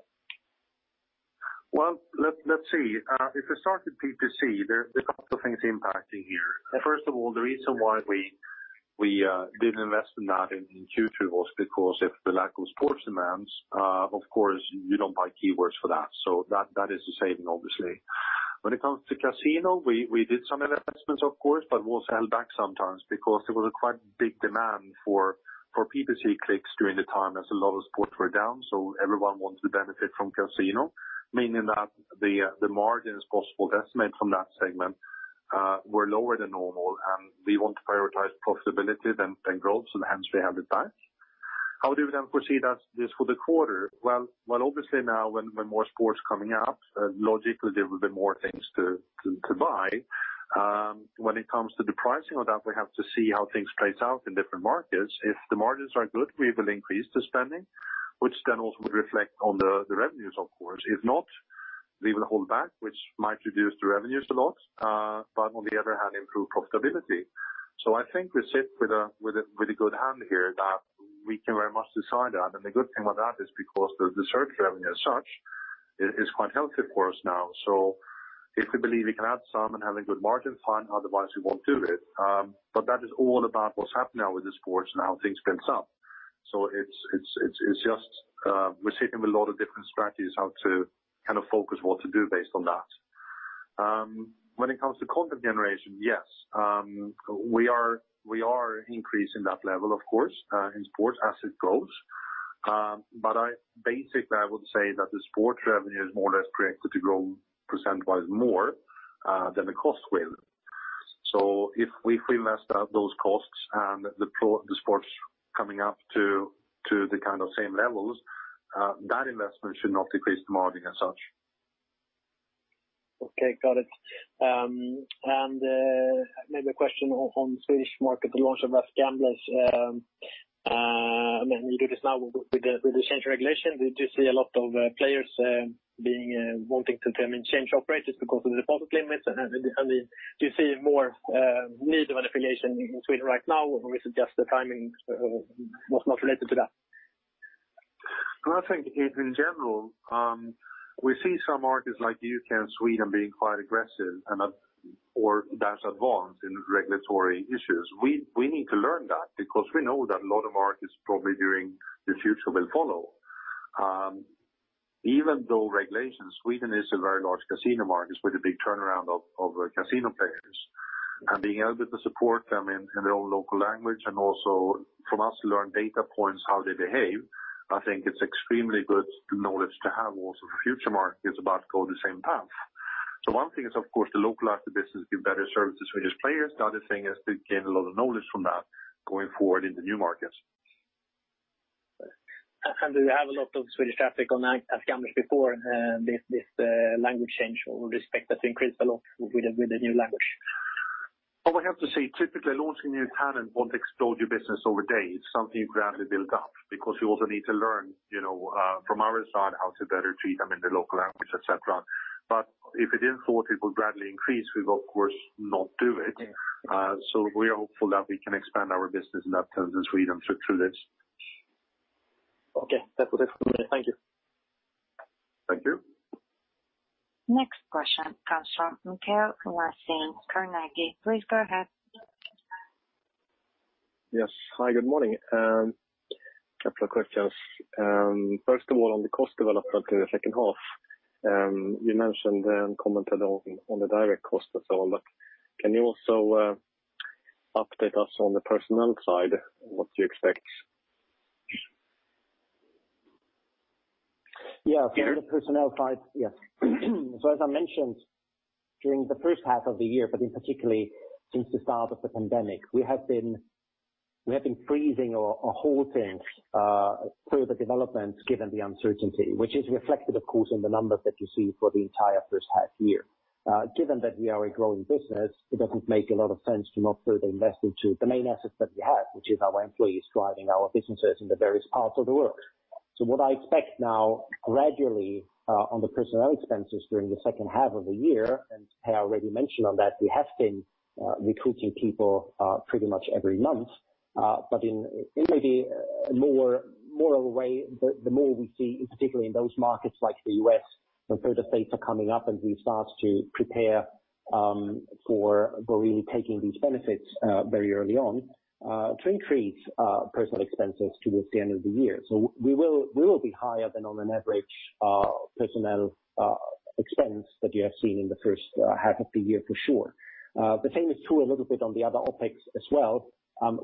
Well, let's see. If we start with PPC, there's a couple things impacting here. First of all, the reason why we didn't invest in that in Q2 was because of the lack of sports demands. Of course, you don't buy keywords for that. That is a saving, obviously. When it comes to casino, we did some investments, of course, but we also held back sometimes because there was a quite big demand for PPC clicks during the time as a lot of sports were down, so everyone wants to benefit from casino. Meaning that the margins possible to estimate from that segment were lower than normal, and we want to prioritize profitability than growth, so hence we held it back. How do we then foresee that this for the quarter? Well, obviously now when more sports coming up, logically, there will be more things to buy. When it comes to the pricing of that, we have to see how things plays out in different markets. If the margins are good, we will increase the spending, which then also would reflect on the revenues, of course. If not, we will hold back, which might reduce the revenues a lot. On the other hand, improve profitability. I think we sit with a good hand here that we can very much decide that. The good thing with that is because the search revenue as such is quite healthy for us now. If we believe we can add some and have a good margin, fine, otherwise, we won't do it. That is all about what's happening now with the sports and how things spins up. It's just we're taking a lot of different strategies how to kind of focus what to do based on that. When it comes to content generation, yes. We are increasing that level, of course, in sports as it grows. Basically, I would say that the sports revenue is more or less predicted to grow percent-wise more than the cost will. If we invest those costs and the sports coming up to the kind of same levels, that investment should not decrease the margin as such. Okay, got it. Maybe a question on the Swedish market, the launch of AskGamblers. You do this now with the change regulation. Did you see a lot of players wanting to change operators because of the deposit limits? Do you see more need of an affiliation in Sweden right now, or is it just the timing was not related to that? I think in general, we see some markets like U.K. and Sweden being quite aggressive and/or that advanced in regulatory issues. We need to learn that because we know that a lot of markets probably during the future will follow. Even though regulation, Sweden is a very large casino market with a big turnaround of casino players. Being able to support them in their own local language and also from us learn data points, how they behave, I think it's extremely good knowledge to have also for future markets about to go the same path. One thing is of course, to localize the business, give better services to Swedish players. The other thing is we gain a lot of knowledge from that going forward in the new markets. Do you have a lot of Swedish traffic on AskGamblers before this language change or do you expect that to increase a lot with the new language? Well, we have to see. Typically, launching in U.K. won't explode your business over days. Something gradually built up because we also need to learn from our side how to better treat them in the local language, et cetera. If we didn't think it would gradually increase, we would of course not do it. Yeah. We are hopeful that we can expand our business in that terms in Sweden through this. Okay. That was it for me. Thank you. Thank you. Next question comes from Mikael Laséen, Carnegie. Please go ahead. Yes. Hi, good morning. A couple of questions. First of all, on the cost development in the second half, you mentioned and commented on the direct cost and so on, but can you also update us on the personnel side, what you expect? Yeah. On the personnel side. Yes. As I mentioned during the first half of the year, but particularly since the start of the pandemic, we have been freezing or halting further development given the uncertainty, which is reflected of course in the numbers that you see for the entire first half year. Given that we are a growing business, it doesn't make a lot of sense to not further invest into the main assets that we have, which is our employees driving our businesses in the various parts of the world. What I expect now gradually, on the personnel expenses during the second half of the year, and Per already mentioned on that, we have been recruiting people pretty much every month. In maybe a more of a way, the more we see, particularly in those markets like the U.S. and further states are coming up as we start to prepare for really taking these benefits very early on to increase personnel expenses towards the end of the year. We will be higher than on an average personnel expense that you have seen in the first half of the year for sure. The same is true a little bit on the other OpEx as well.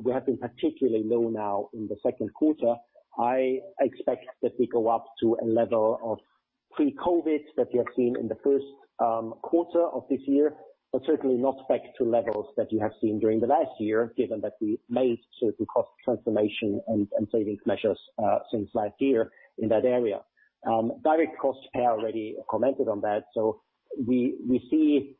We have been particularly low now in the second quarter. I expect that we go up to a level of pre-COVID that we have seen in the first quarter of this year, but certainly not back to levels that you have seen during the last year, given that we made certain cost transformation and savings measures since last year in that area. Direct costs, Per already commented on that. We see,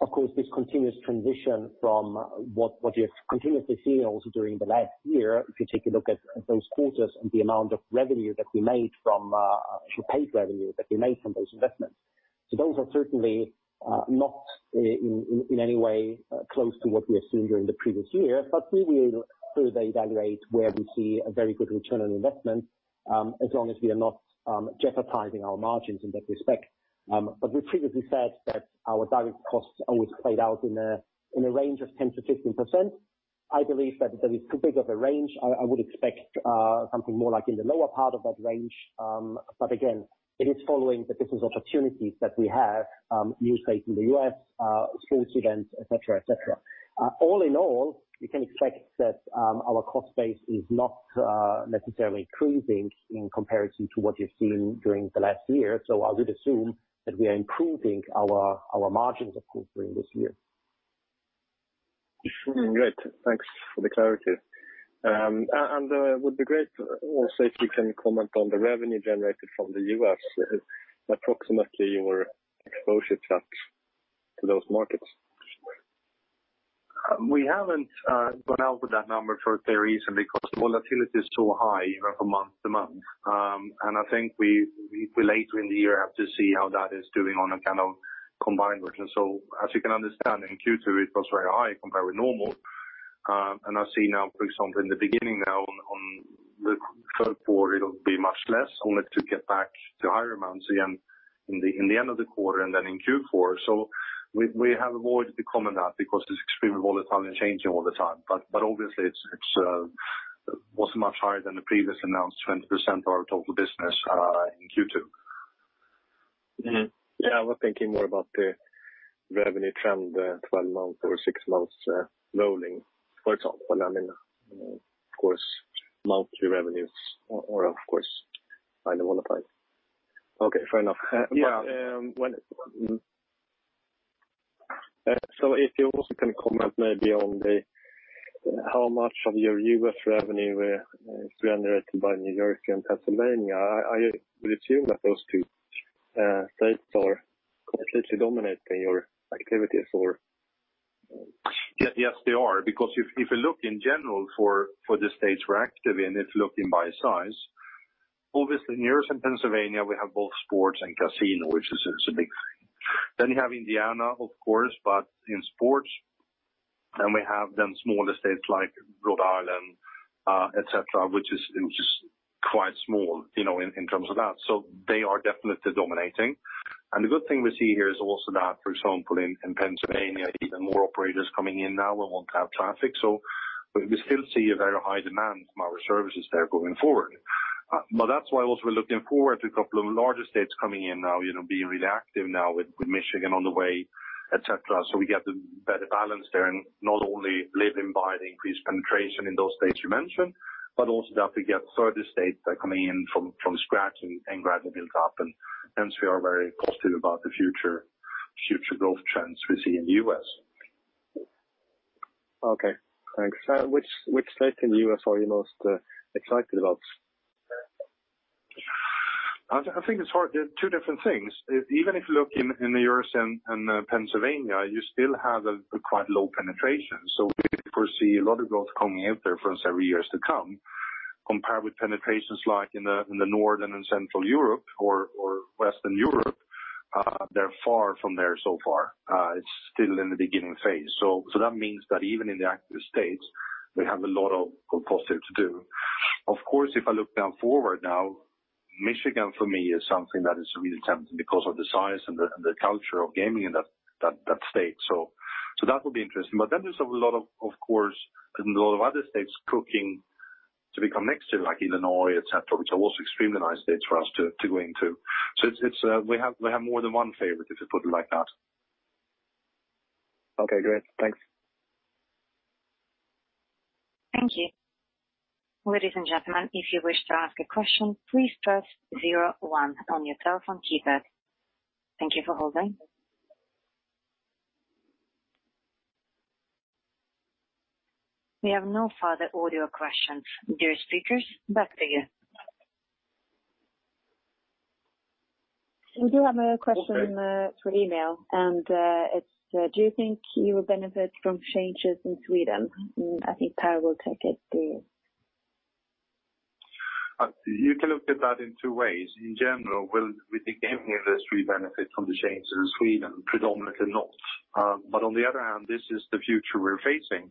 of course, this continuous transition from what you have continuously seen also during the last year. If you take a look at those quarters and the amount of revenue that we made from paid revenue that we made from those investments. Those are certainly not in any way close to what we have seen during the previous year. We will further evaluate where we see a very good return on investment, as long as we are not jeopardizing our margins in that respect. We previously said that our direct costs always played out in a range of 10%-15%. I believe that it is too big of a range. I would expect something more like in the lower part of that range. Again, it is following the business opportunities that we have new states in the U.S., sports events, et cetera. All in all, you can expect that our cost base is not necessarily increasing in comparison to what you've seen during the last year. I would assume that we are improving our margins, of course, during this year. Great. Thanks for the clarity. Would be great also if you can comment on the revenue generated from the U.S., approximately your exposure to those markets. We haven't gone out with that number for a reason because volatility is so high from month to month. I think we later in the year have to see how that is doing on a kind of combined version. As you can understand in Q2, it was very high compared with normal. I see now, for example, in the beginning now on the third quarter, it'll be much less only to get back to higher amounts again in the end of the quarter and then in Q4. We have avoided to comment that because it's extremely volatile and changing all the time. Obviously it's. Was much higher than the previous announced 20% of our total business in Q2. Yeah, I was thinking more about the revenue trend, 12 months or six months rolling, for example. Of course, monthly revenues, or of course annualized. Okay, fair enough. Yeah. If you also can comment maybe on how much of your U.S. revenue is generated by New York and Pennsylvania. I would assume that those two states are completely dominating your activities or Yes, they are. If you look in general for the states we're active in, if looking by size, obviously New York and Pennsylvania, we have both sports and casino, which is a big thing. You have Indiana, of course, but in sports. We have them smaller states like Rhode Island et cetera, which is quite small in terms of that. They are definitely dominating. The good thing we see here is also that, for example, in Pennsylvania, even more operators coming in now and want to have traffic. We still see a very high demand for our services there going forward. That's why also we're looking forward to a couple of larger states coming in now, being really active now with Michigan on the way, et cetera. We get a better balance there, and not only living by the increased penetration in those states you mentioned, but also that we get further states that are coming in from scratch and gradually build up. Hence we are very positive about the future growth trends we see in the U.S. Okay, thanks. Which state in the U.S. are you most excited about? I think it's hard. There are two different things. Even if you look in New York and Pennsylvania, you still have a quite low penetration. We foresee a lot of growth coming out there for several years to come. Compared with penetrations like in the Northern and Central Europe or Western Europe, they're far from there so far. It's still in the beginning phase. That means that even in the active states, we have a lot of positive to do. Of course, if I look down forward now, Michigan for me is something that is really tempting because of the size and the culture of gaming in that state. That will be interesting. There's, of course, a lot of other states cooking to become next to it, like Illinois, et cetera, which are also extremely nice states for us to go into. We have more than one favorite, if you put it like that. Okay, great. Thanks. Thank you. Ladies and gentlemen, if you wish to ask a question, please press zero one on your telephone keypad. Thank you for holding. We have no further audio questions. Dear speakers, back to you. We do have a question. Okay. -through email, it's: Do you think you will benefit from changes in Sweden? I think Per will take it. Do you? You can look at that in two ways. In general, will the gaming industry benefit from the changes in Sweden? Predominantly not. On the other hand, this is the future we're facing,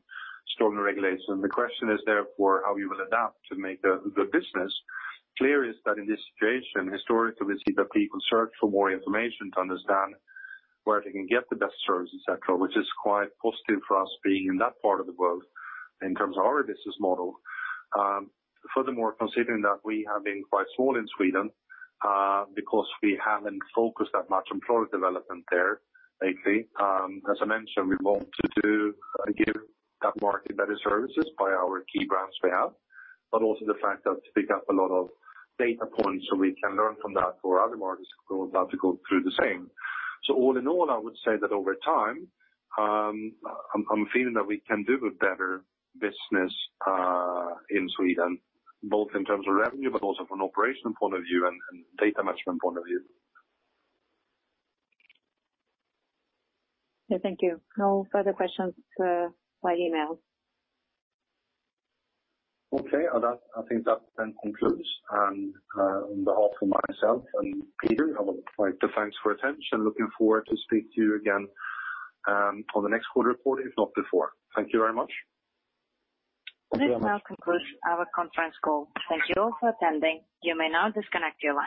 stronger regulation. The question is therefore how we will adapt to make a good business. Clear is that in this situation, historically, we see that people search for more information to understand where they can get the best service, et cetera, which is quite positive for us being in that part of the world in terms of our business model. Furthermore, considering that we have been quite small in Sweden because we haven't focused that much on product development there lately. As I mentioned, we want to give that market better services by our key brands we have. Also the fact that to pick up a lot of data points so we can learn from that for other markets about to go through the same. All in all, I would say that over time, I'm feeling that we can do a better business in Sweden, both in terms of revenue, but also from an operational point of view and data management point of view. Yeah. Thank you. No further questions via email. Okay. I think that concludes. On behalf of myself and Peter, I would like to thank you for your attention. Looking forward to speak to you again on the next quarter call, if not before. Thank you very much. This now concludes our conference call. Thank you all for attending. You may now disconnect your line.